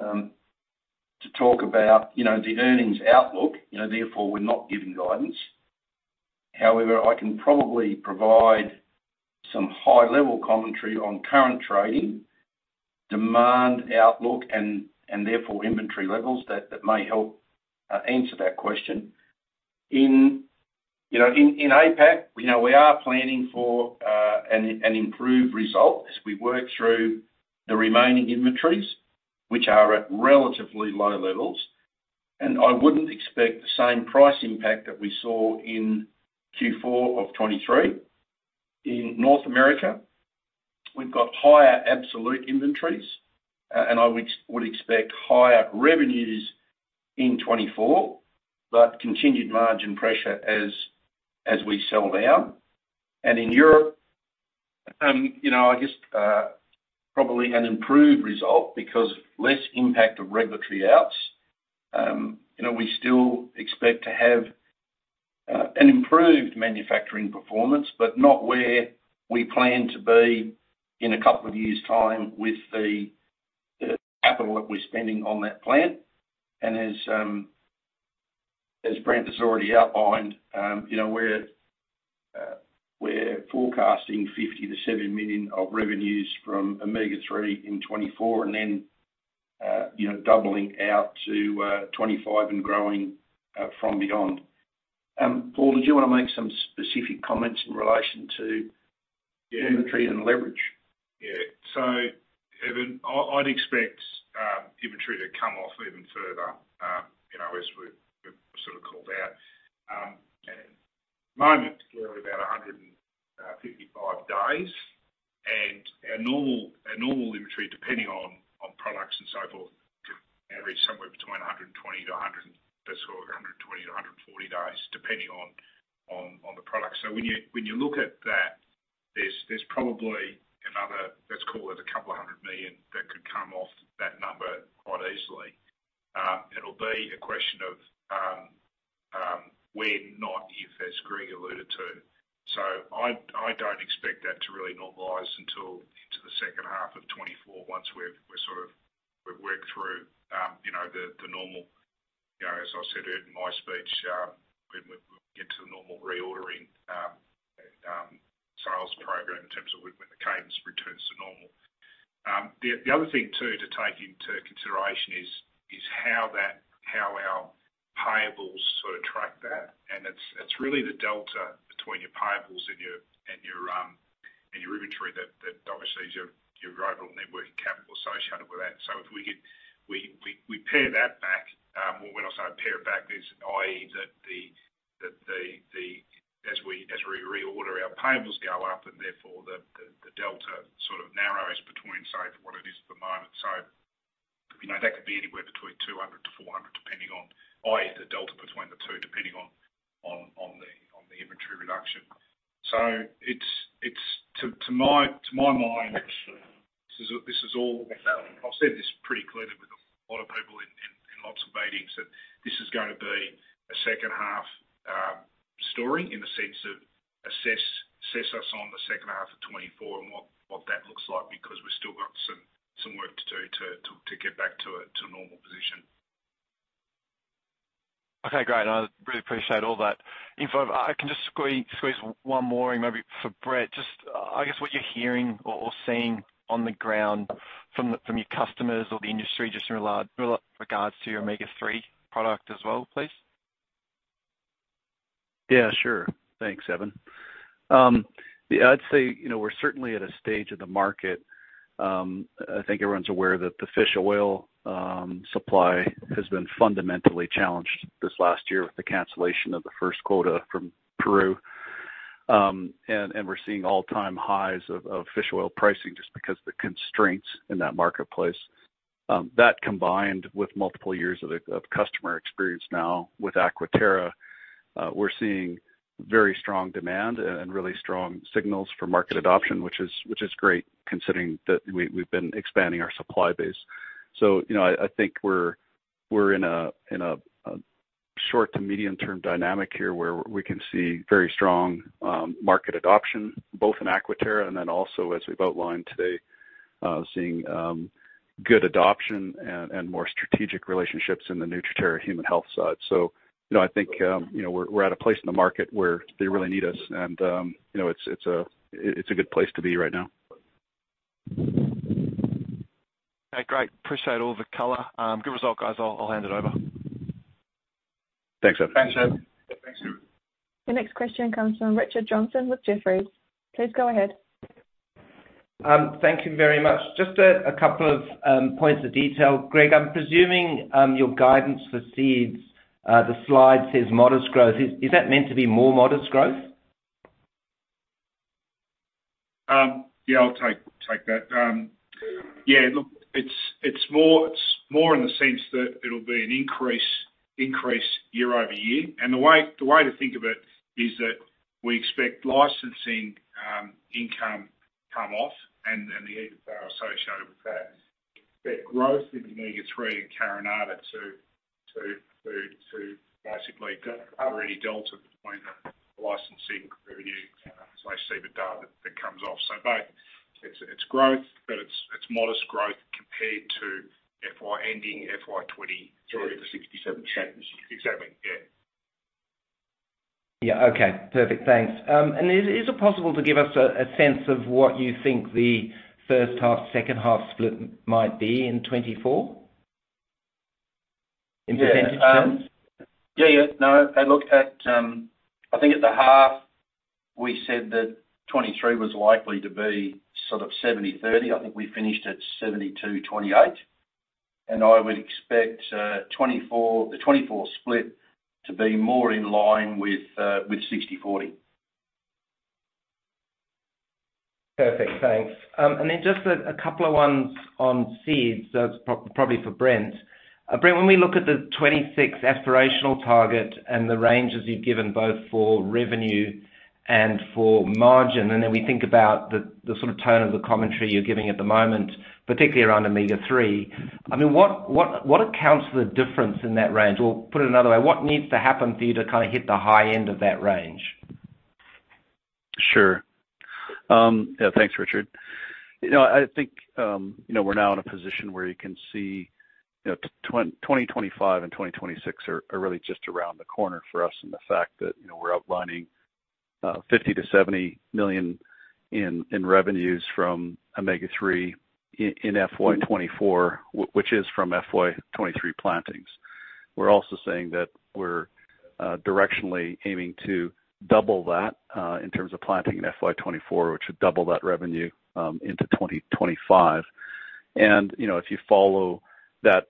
Speaker 2: to talk about, you know, the earnings outlook, you know, therefore, we're not giving guidance. However, I can probably provide some high-level commentary on current trading, demand outlook, and therefore, inventory levels that may help answer that question. In, you know, in APAC, you know, we are planning for an improved result as we work through the remaining inventories, which are at relatively low levels, and I wouldn't expect the same price impact that we saw in Q4 of 2023. In North America, we've got higher absolute inventories, and I would expect higher revenues in 2024, but continued margin pressure as we sell down. And in Europe, you know, I guess probably an improved result because less impact of regulatory outs. You know, we still expect to have an improved manufacturing performance, but not where we plan to be in a couple of years' time with the capital that we're spending on that plant. And as Brent has already outlined, you know, we're forecasting 50-70 million of revenues from omega-3 in 2024, and then, you know, doubling out to 2025 and growing from beyond. Paul, did you want to make some specific comments in relation to-
Speaker 3: Yeah.
Speaker 2: inventory and leverage?
Speaker 3: Yeah. So, Evan, I'd expect inventory to come off even further, you know, as we sort of called out. At the moment, we're at about 155 days, and our normal inventory, depending on products and so forth, can average somewhere between 120 to 100, and that's sort of 120 to 140 days, depending on the product. So when you look at that, there's probably another, let's call it 200 million, that could come off that number quite easily. It'll be a question of when, not if, as Greg alluded to. So I don't expect that to really normalize until into the second half of 2024, once we've worked through, you know, the normal. You know, as I said earlier in my speech, when we get to the normal reordering, sales program in terms of when the cadence returns to normal. The other thing, too, to take into consideration is how that, how our payables sort of track that, and it's really the delta between your payables and your inventory that obviously is your overall net working capital associated with that. So if we could pare that back, well, when I say pare it back, i.e., as we reorder, our payables go up, and therefore, the delta sort of narrows between, say, what it is at the moment. So, you know, that could be anywhere between 200-400, depending on i.e. the delta between the two, depending on the inventory reduction. So it's to my mind, this is all. I've said this pretty clearly with a lot of people in lots of meetings, that this is going to be a second half story in the sense of assess us on the second half of 2024 and what that looks like, because we've still got some work to do to get back to a normal position.
Speaker 6: Okay, great. I really appreciate all that info. If I can just squeeze one more in, maybe for Brent. Just, I guess what you're hearing or, or seeing on the ground from the, from your customers or the industry, just in regard, with regards to your omega-3 product as well, please.
Speaker 5: Yeah, sure. Thanks, Evan. Yeah, I'd say, you know, we're certainly at a stage of the market. I think everyone's aware that the fish oil supply has been fundamentally challenged this last year with the cancellation of the first quota from Peru. And we're seeing all-time highs of fish oil pricing just because of the constraints in that marketplace. That, combined with multiple years of customer experience now with Aquaterra, we're seeing very strong demand and really strong signals for market adoption, which is great, considering that we've been expanding our supply base. So, you know, I think we're in a short to medium-term dynamic here, where we can see very strong market adoption, both in Aquaterra and then also, as we've outlined today, seeing good adoption and more strategic relationships in the Nutriterra human health side. So, you know, I think, you know, we're at a place in the market where they really need us, and, you know, it's a good place to be right now.
Speaker 6: Okay, great. Appreciate all the color. Good result, guys. I'll hand it over.
Speaker 3: Thanks, Evan.
Speaker 2: Thanks, Evan.
Speaker 5: Thanks, Evan.
Speaker 7: The next question comes from Richard Johnson with Jefferies. Please go ahead.
Speaker 8: Thank you very much. Just a couple of points of detail. Greg, I'm presuming your guidance for seeds, the slide says modest growth. Is that meant to be more modest growth?
Speaker 2: Yeah, I'll take that. Yeah, look, it's more in the sense that it'll be an increase year over year. And the way to think of it is that we expect licensing income come off and the associated with that. But growth in Omega-3 and Carinata to basically already delta between the licensing revenue, as I see the data, that comes off. So both, it's growth, but it's modest growth compared to FY ending, FY 20-
Speaker 8: 67 change.
Speaker 2: Exactly, yeah.
Speaker 8: Yeah. Okay, perfect. Thanks. And is it possible to give us a sense of what you think the first half, second half split might be in 2024, in percentage terms?
Speaker 2: Yeah, yeah. No, I look at. I think at the half, we said that 2023 was likely to be sort of 70/30. I think we finished at 72/28, and I would expect 2024, the 2024 split to be more in line with 60/40.
Speaker 8: Perfect, thanks. And then just a couple of ones on seeds, so it's probably for Brent. Brent, when we look at the 26 aspirational target and the ranges you've given, both for revenue and for margin, and then we think about the sort of tone of the commentary you're giving at the moment, particularly around omega-3. I mean, what accounts for the difference in that range? Or put it another way, what needs to happen for you to kind of hit the high end of that range?
Speaker 5: Sure. Yeah. Thanks, Richard. You know, I think, you know, we're now in a position where you can see, you know, 2025 and 2026 are, are really just around the corner for us, and the fact that, you know, we're outlining 50-70 million in revenues from Omega-3 in FY 2024, which is from FY 2023 plantings. We're also saying that we're directionally aiming to double that in terms of planting in FY 2024, which would double that revenue into 2025. You know, if you follow that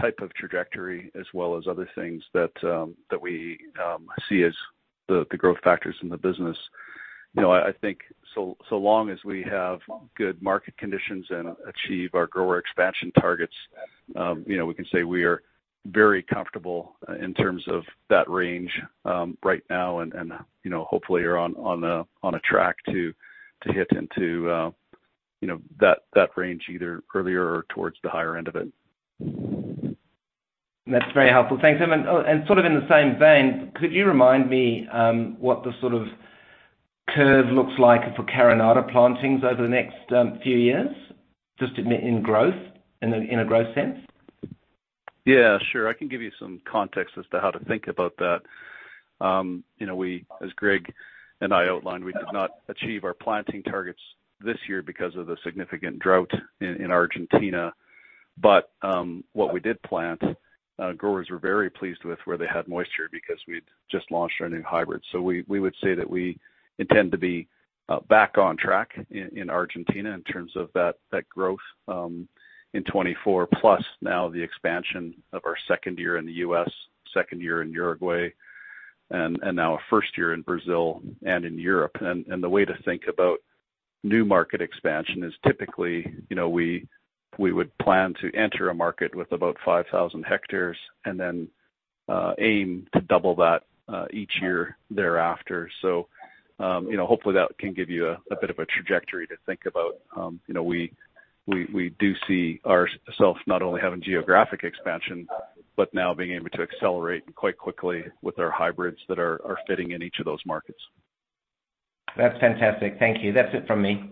Speaker 5: type of trajectory as well as other things that we see as the growth factors in the business, you know, I think so long as we have good market conditions and achieve our grower expansion targets, you know, we can say we are very comfortable in terms of that range right now, and you know, hopefully are on a track to hit into you know, that range either earlier or towards the higher end of it.
Speaker 8: That's very helpful. Thanks, Evan. And sort of in the same vein, could you remind me, what the sort of curve looks like for Carinata plantings over the next, few years? Just in a growth sense.
Speaker 5: Yeah, sure. I can give you some context as to how to think about that. You know, we, as Greg and I outlined, we did not achieve our planting targets this year because of the significant drought in Argentina. But, what we did plant, growers were very pleased with, where they had moisture, because we'd just launched our new hybrid. So we, we would say that we intend to be, back on track in Argentina in terms of that, that growth, in 2024. Plus now the expansion of our second year in the U.S., second year in Uruguay, and, and now our first year in Brazil and in Europe. The way to think about new market expansion is typically, you know, we would plan to enter a market with about 5,000 hectares and then aim to double that each year thereafter. So, you know, hopefully, that can give you a bit of a trajectory to think about. You know, we do see ourselves not only having geographic expansion, but now being able to accelerate quite quickly with our hybrids that are fitting in each of those markets.
Speaker 8: That's fantastic. Thank you. That's it from me.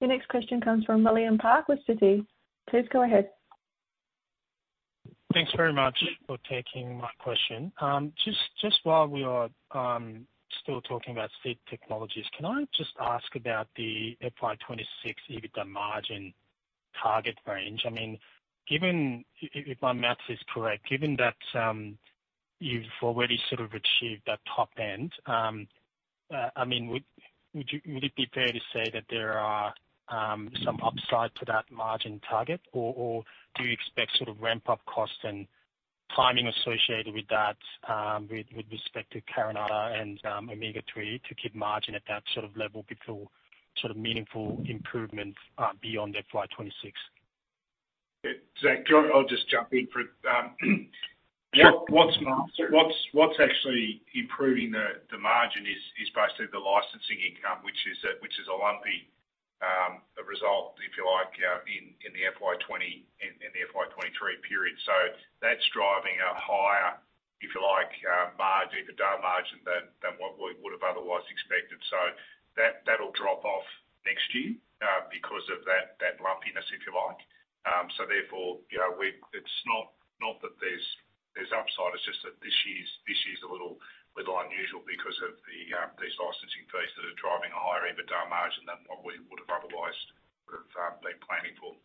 Speaker 7: Your next question comes from William Park with Citi. Please go ahead.
Speaker 9: Thanks very much for taking my question. Just while we are still talking about Seed Technologies, can I just ask about the FY 2026 EBITDA margin target range? I mean, given... If my math is correct, given that you've already sort of achieved that top end, I mean, would it be fair to say that there are some upside to that margin target? Or do you expect sort of ramp-up costs and timing associated with that, with respect to Carinata and Omega-3, to keep margin at that sort of level before sort of meaningful improvements beyond FY 2026?
Speaker 2: Zach, I'll just jump in. What's actually improving the margin is basically the licensing income, which is a lumpy result, if you like, in the FY 2023 period. So that's driving a higher, if you like, margin, EBITDA margin than what we would have otherwise expected. So that'll drop off next year because of that lumpiness, if you like. So therefore, you know, it's not that there's upside, it's just that this year's a little unusual because of these licensing fees that are driving a higher EBITDA margin than what we would have otherwise been planning for.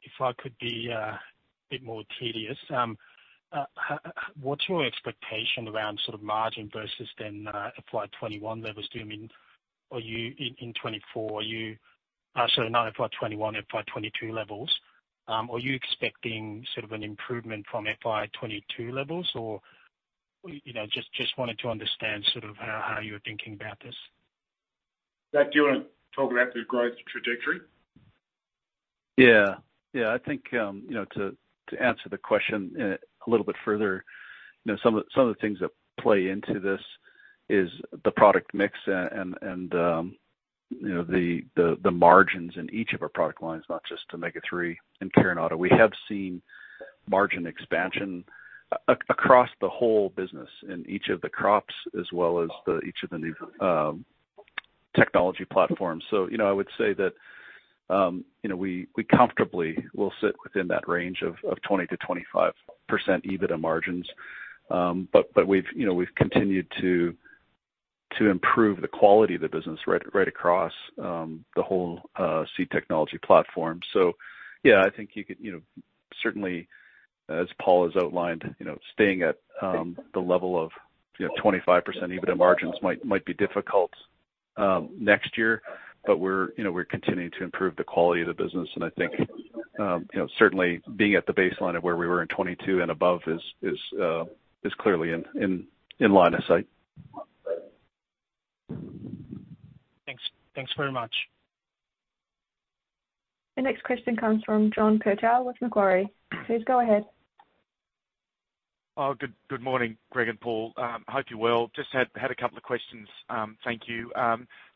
Speaker 9: If I could be a bit more tedious, what's your expectation around sort of margin versus then, FY 2021 levels? Do you mean, are you in 2024, are you so not FY 2021, FY 2022 levels, are you expecting sort of an improvement from FY 2022 levels, or, you know, just wanted to understand sort of how you're thinking about this?
Speaker 2: Zach, do you wanna talk about the growth trajectory?
Speaker 5: Yeah. Yeah, I think, you know, to answer the question, a little bit further, you know, some of the, some of the things that play into this is the product mix and, and, you know, the, the, the margins in each of our product lines, not just Omega-3 and Carinata. We have seen margin expansion across the whole business in each of the crops, as well as the, each of the new, technology platforms. So, you know, I would say that, you know, we, we comfortably will sit within that range of, of 20%-25% EBITDA margins. But, but we've, you know, we've continued to, to improve the quality of the business right, right across, the whole, Seed Technology platform. So yeah, I think you can, you know, certainly, as Paul has outlined, you know, staying at the level of, you know, 25% EBITDA margins might be difficult next year. But we're, you know, we're continuing to improve the quality of the business, and I think, you know, certainly being at the baseline of where we were in 2022 and above is clearly in line of sight.
Speaker 9: Thanks. Thanks very much.
Speaker 7: The next question comes from John Purtell with Macquarie. Please go ahead.
Speaker 10: Oh, good morning, Greg and Paul. Hope you're well. Just had a couple of questions, thank you.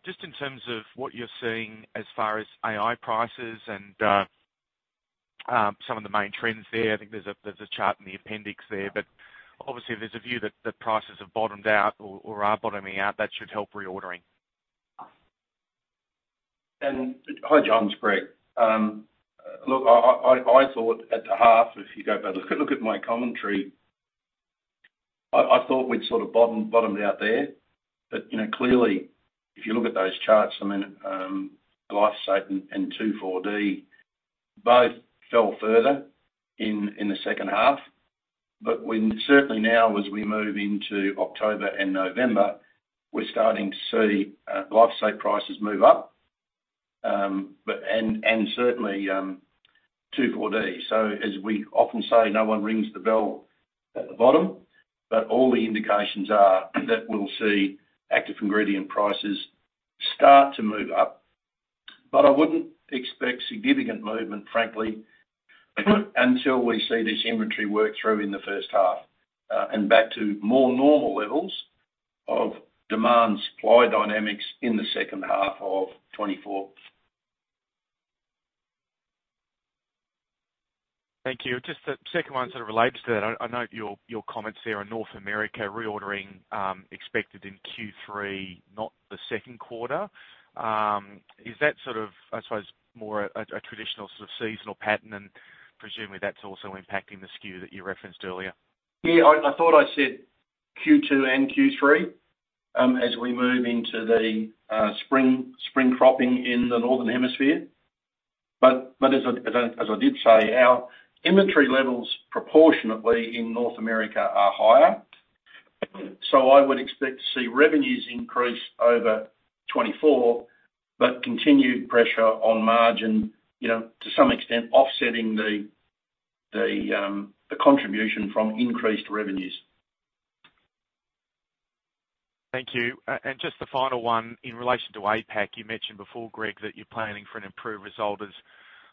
Speaker 10: Just in terms of what you're seeing as far as AI prices and some of the main trends there, I think there's a chart in the appendix there, but obviously there's a view that the prices have bottomed out or are bottoming out, that should help reordering.
Speaker 2: And hi, John, it's Greg. Look, I thought at the half, if you go back, look at my commentary, I thought we'd sort of bottomed out there. But, you know, clearly, if you look at those charts, I mean, glyphosate and 2,4-D both fell further in the second half. But we certainly now, as we move into October and November, we're starting to see glyphosate prices move up, but... And certainly 2,4-D. So as we often say, no one rings the bell at the bottom, but all the indications are that we'll see active ingredient prices start to move up. But I wouldn't expect significant movement, frankly, until we see this inventory work through in the first half, and back to more normal levels of demand, supply dynamics in the second half of 2024.
Speaker 10: Thank you. Just the second one sort of relates to that. I, I note your, your comments there on North America reordering, expected in Q3, not the second quarter. Is that sort of, I suppose, more a, a traditional sort of seasonal pattern, and presumably that's also impacting the skew that you referenced earlier?
Speaker 2: Yeah, I thought I said Q2 and Q3, as we move into the spring cropping in the Northern Hemisphere. But as I did say, our inventory levels proportionately in North America are higher. So I would expect to see revenues increase over 2024, but continued pressure on margin, you know, to some extent offsetting the contribution from increased revenues.
Speaker 10: Thank you. And just the final one, in relation to APAC, you mentioned before, Greg, that you're planning for an improved result as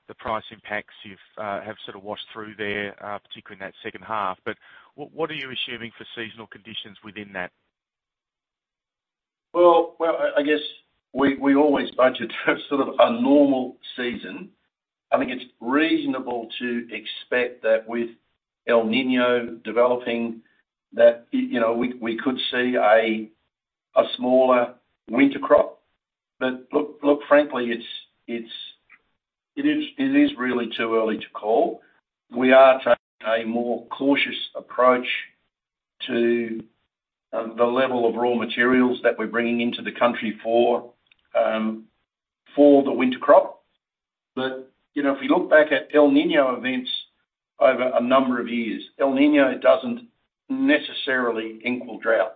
Speaker 10: the price impacts you've had sort of washed through there, particularly in that second half. But what, what are you assuming for seasonal conditions within that?
Speaker 2: Well, I guess we always budget for sort of a normal season. I think it's reasonable to expect that with El Niño developing, you know, we could see a smaller winter crop. But look, frankly, it is really too early to call. We are taking a more cautious approach to the level of raw materials that we're bringing into the country for the winter crop. But you know, if you look back at El Niño events over a number of years, El Niño doesn't necessarily equal drought.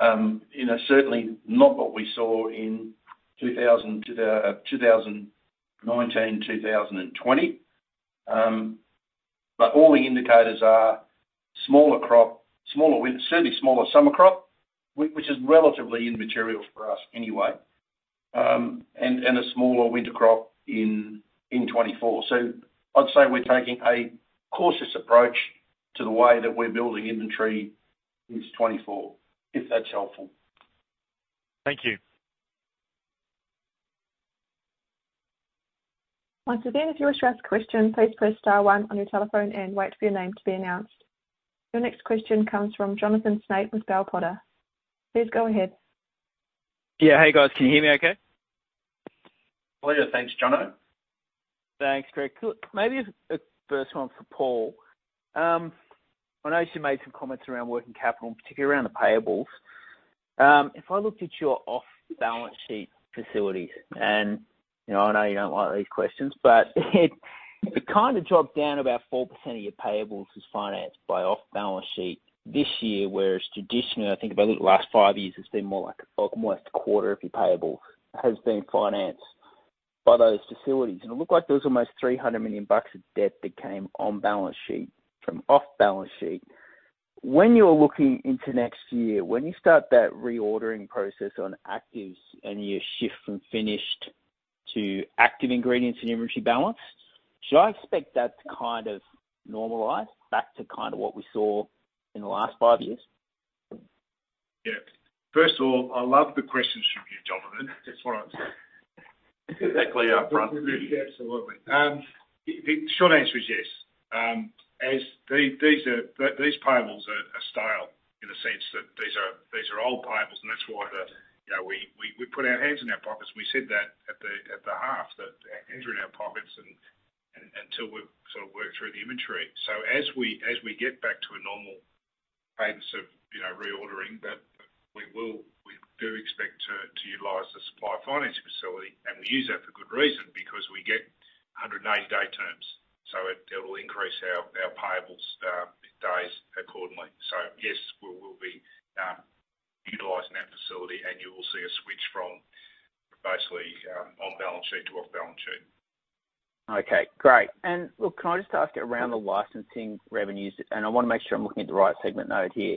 Speaker 2: You know, certainly not what we saw in 2000 to 2019, 2020. But all the indicators are smaller crop, certainly smaller summer crop, which is relatively immaterial for us anyway, and a smaller winter crop in 2024. So I'd say we're taking a cautious approach to the way that we're building inventory into 2024, if that's helpful.
Speaker 10: Thank you.
Speaker 1: Once again, if you wish to ask a question, please press star one on your telephone and wait for your name to be announced. Your next question comes from Jonathan Snape with Bell Potter. Please go ahead.
Speaker 11: Yeah. Hey, guys. Can you hear me okay?
Speaker 2: Well, yeah, thanks, Jona.
Speaker 11: Thanks, Greg. Look, maybe a first one for Paul. I know you made some comments around working capital, particularly around the payables. If I looked at your off-balance-sheet facilities, and, you know, I know you don't like these questions, but it kind of dropped down about 4% of your payables is financed by off-balance-sheet this year, whereas traditionally, I think if I look at the last five years, it's been more like a quarter of your payables has been financed by those facilities. And it looked like there was almost 300 million bucks of debt that came on balance sheet from off-balance-sheet. When you're looking into next year, when you start that reordering process on actives and you shift from finished to active ingredients in inventory balance, should I expect that to kind of normalize back to kind of what we saw in the last five years?
Speaker 3: Yeah. First of all, I love the questions from you, Jonathan. That's what I'm saying. Exactly upfront. Absolutely. The short answer is yes. As these payables are stale in the sense that these are old payables, and that's why, you know, we put our hands in our pockets, and we said that at the half, that hands are in our pockets and until we've sort of worked through the inventory. So as we get back to a normal pace of, you know, reordering, we do expect to utilize the supply financing facility, and we use that for good reason, because we get 180-day terms, so it will increase our payables days accordingly.
Speaker 2: So yes, we will be utilizing that facility, and you will see a switch from basically on balance sheet to off balance sheet.
Speaker 11: Okay, great. And look, can I just ask around the licensing revenues? And I want to make sure I'm looking at the right segment note here.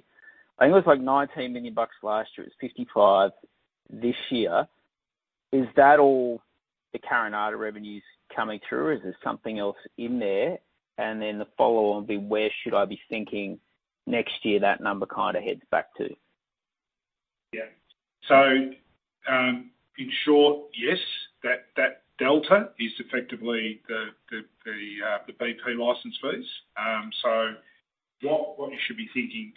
Speaker 11: I think it was like $19 million last year. It's $55 million this year. Is that all the Carinata revenues coming through, or is there something else in there? And then the follow on be: Where should I be thinking next year, that number kind of heads back to?
Speaker 2: Yeah. So, in short, yes, that delta is effectively the BP license fees. So what you should be thinking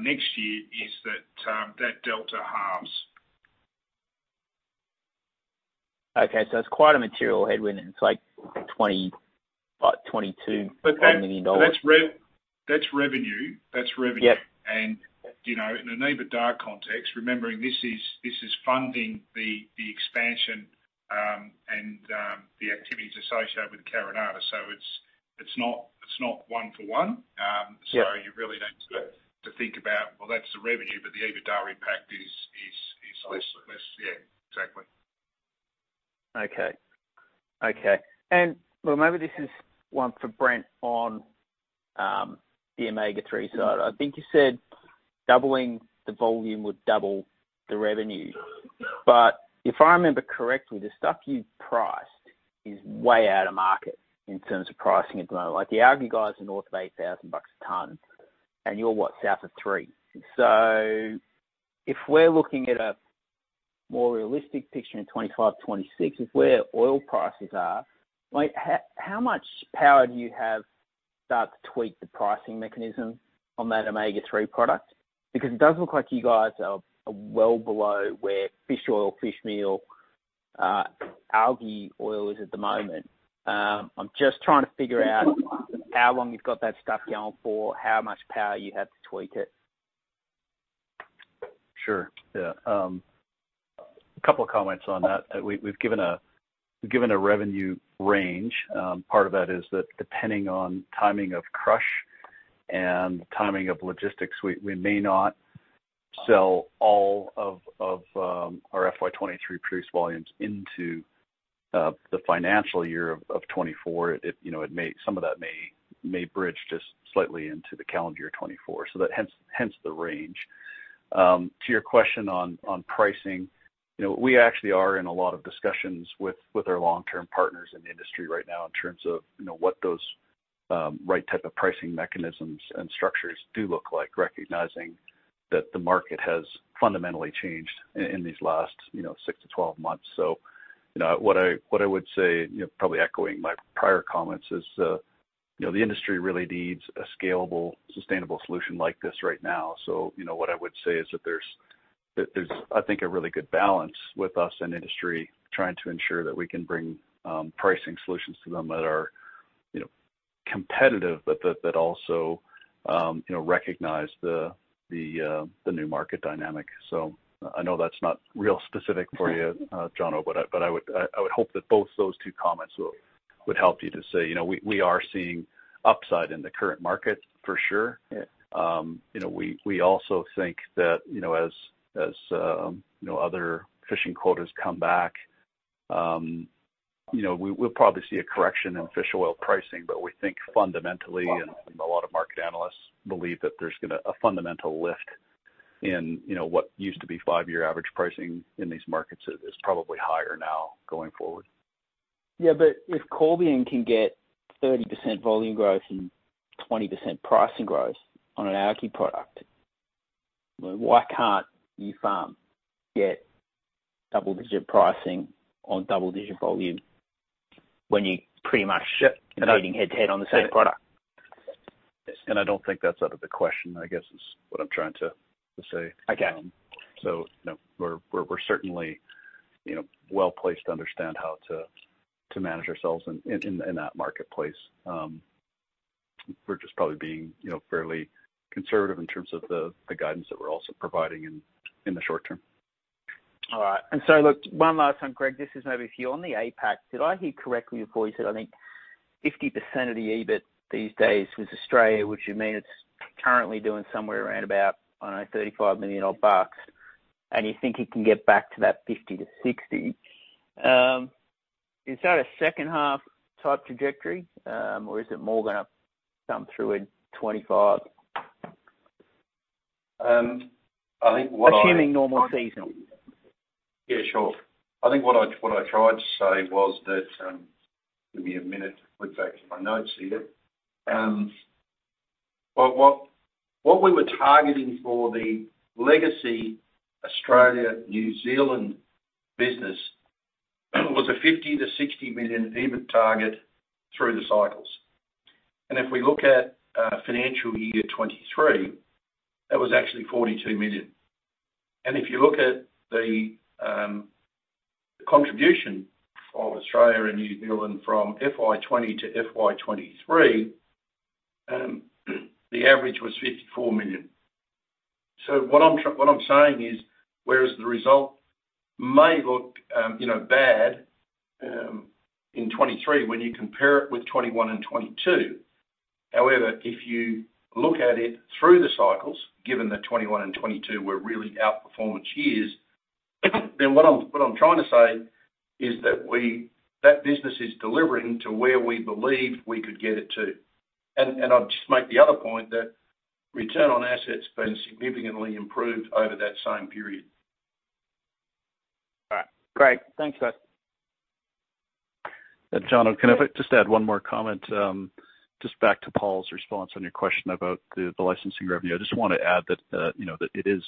Speaker 2: next year is that that delta halves.
Speaker 11: Okay, so it's quite a material headwind, and it's like 20 million-22 million dollars.
Speaker 2: But that's revenue. That's revenue.
Speaker 11: Yep.
Speaker 2: You know, in an EBITDA context, remembering this is funding the expansion and the activities associated with Carinata. So it's not one for one.
Speaker 11: Yeah.
Speaker 2: So you really need to think about, well, that's the revenue, but the EBITDA impact is less. Absolutely. Yeah, exactly.
Speaker 11: Okay. Okay, and well, maybe this is one for Brent on the omega-3 side. I think you said doubling the volume would double the revenue. But if I remember correctly, the stuff you've priced is way out of market in terms of pricing at the moment. Like, the algae guys are north of $8,000 a ton, and you're, what? South of $3,000. So if we're looking at a more realistic picture in 2025, 2026, is where oil prices are, like, how, how much power do you have start to tweak the pricing mechanism on that omega-3 product? Because it does look like you guys are, are well below where fish oil, fish meal, algae oil is at the moment. I'm just trying to figure out how long you've got that stuff going for, how much power you have to tweak it.
Speaker 5: Sure, yeah. A couple of comments on that. We've given a revenue range. Part of that is that depending on timing of crush and timing of logistics, we may not sell all of our FY 2023 produced volumes into the financial year of 2024. It, you know, it may, some of that may bridge just slightly into the calendar year 2024. So that hence the range. To your question on pricing, you know, we actually are in a lot of discussions with our long-term partners in the industry right now in terms of, you know, what those right type of pricing mechanisms and structures do look like, recognizing that the market has fundamentally changed in these last 6-12 months. So, you know, what I would say, you know, probably echoing my prior comments, is, you know, the industry really needs a scalable, sustainable solution like this right now. So, you know, what I would say is that there's, I think, a really good balance with us and industry trying to ensure that we can bring pricing solutions to them that are, you know, competitive, but that also, you know, recognize the new market dynamic. So I know that's not real specific for you, Jono, but I would hope that both those two comments would help you to say, you know, we are seeing upside in the current market for sure.
Speaker 11: Yeah.
Speaker 5: You know, we also think that, you know, as you know, other fishing quotas come back, you know, we'll probably see a correction in fish oil pricing, but we think fundamentally, and a lot of market analysts believe, that there's gonna... a fundamental lift in, you know, what used to be five-year average pricing in these markets is probably higher now going forward.
Speaker 11: Yeah, but if Corbion can get 30% volume growth and 20% pricing growth on an algae product, well, why can't Nufarm, get double-digit pricing on double-digit volume when you're pretty much-
Speaker 5: Sure.
Speaker 11: Competing head-to-head on the same product?
Speaker 5: I don't think that's out of the question, I guess, is what I'm trying to, to say.
Speaker 11: Okay.
Speaker 5: So, you know, we're certainly, you know, well-placed to understand how to manage ourselves in that marketplace. We're just probably being, you know, fairly conservative in terms of the guidance that we're also providing in the short term.
Speaker 11: All right. And so look, one last time, Greg, this is maybe for you. On the APAC, did I hear correctly before you said, I think, 50% of the EBIT these days was Australia, which you mean it's currently doing somewhere around about, I don't know, 35 million odd bucks, and you think it can get back to that 50%-60%? Is that a second-half type trajectory, or is it more gonna come through in 2025?
Speaker 2: I think what I-
Speaker 11: Assuming normal seasonal.
Speaker 2: Yeah, sure. I think what I tried to say was that, give me a minute to flip back to my notes here. But what we were targeting for the legacy Australia, New Zealand business, was a 50 million-60 million EBIT target through the cycles. And if we look at financial year 2023, that was actually 42 million. And if you look at the contribution of Australia and New Zealand from FY 2020 to FY 2023, the average was 54 million. So what I'm saying is, whereas the result may look, you know, bad, in 2023 when you compare it with 2021 and 2022. However, if you look at it through the cycles, given that 2021 and 2022 were really outperformance years, then what I'm, what I'm trying to say is that we, that business is delivering to where we believed we could get it to. And, and I'll just make the other point, that return on assets has been significantly improved over that same period.
Speaker 11: All right, great. Thanks, guys.
Speaker 5: Jono, can I just add one more comment? Just back to Paul's response on your question about the licensing revenue. I just want to add that, you know, that it is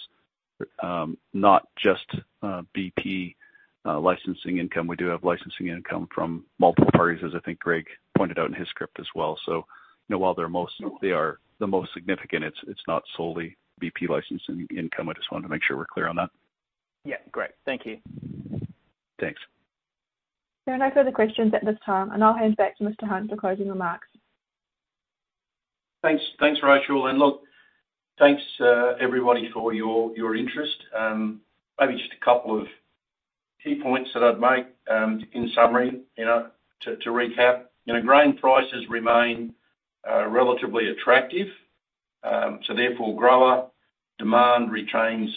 Speaker 5: not just BP licensing income. We do have licensing income from multiple parties, as I think Greg pointed out in his script as well. So, you know, while they are the most significant, it's not solely BP licensing income. I just wanted to make sure we're clear on that.
Speaker 11: Yeah, great. Thank you.
Speaker 5: Thanks.
Speaker 7: There are no further questions at this time, and I'll hand back to Mr. Hunt for closing remarks.
Speaker 2: Thanks. Thanks, Rachel. And look, thanks, everybody, for your, your interest. Maybe just a couple of key points that I'd make, in summary, you know, to recap. You know, grain prices remain relatively attractive, so therefore, grower demand remains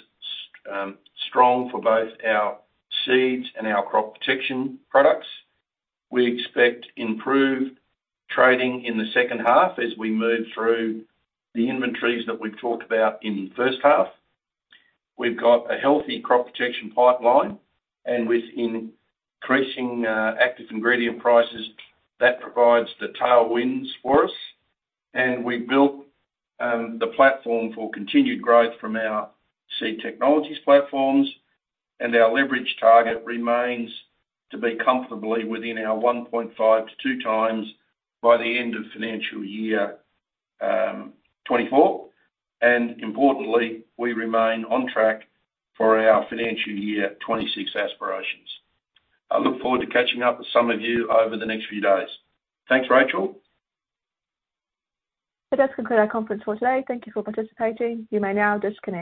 Speaker 2: strong for both our seeds and our crop protection products. We expect improved trading in the second half as we move through the inventories that we've talked about in the first half. We've got a healthy crop protection pipeline, and with increasing active ingredient prices, that provides the tailwinds for us. And we've built the platform for continued growth from our Seed Technologies platforms, and our leverage target remains to be comfortably within our 1.5x-2x by the end of financial year 2024. And importantly, we remain on track for our financial year 2026 aspirations. I look forward to catching up with some of you over the next few days. Thanks, Rachel.
Speaker 7: So that concludes our conference call today. Thank you for participating. You may now disconnect.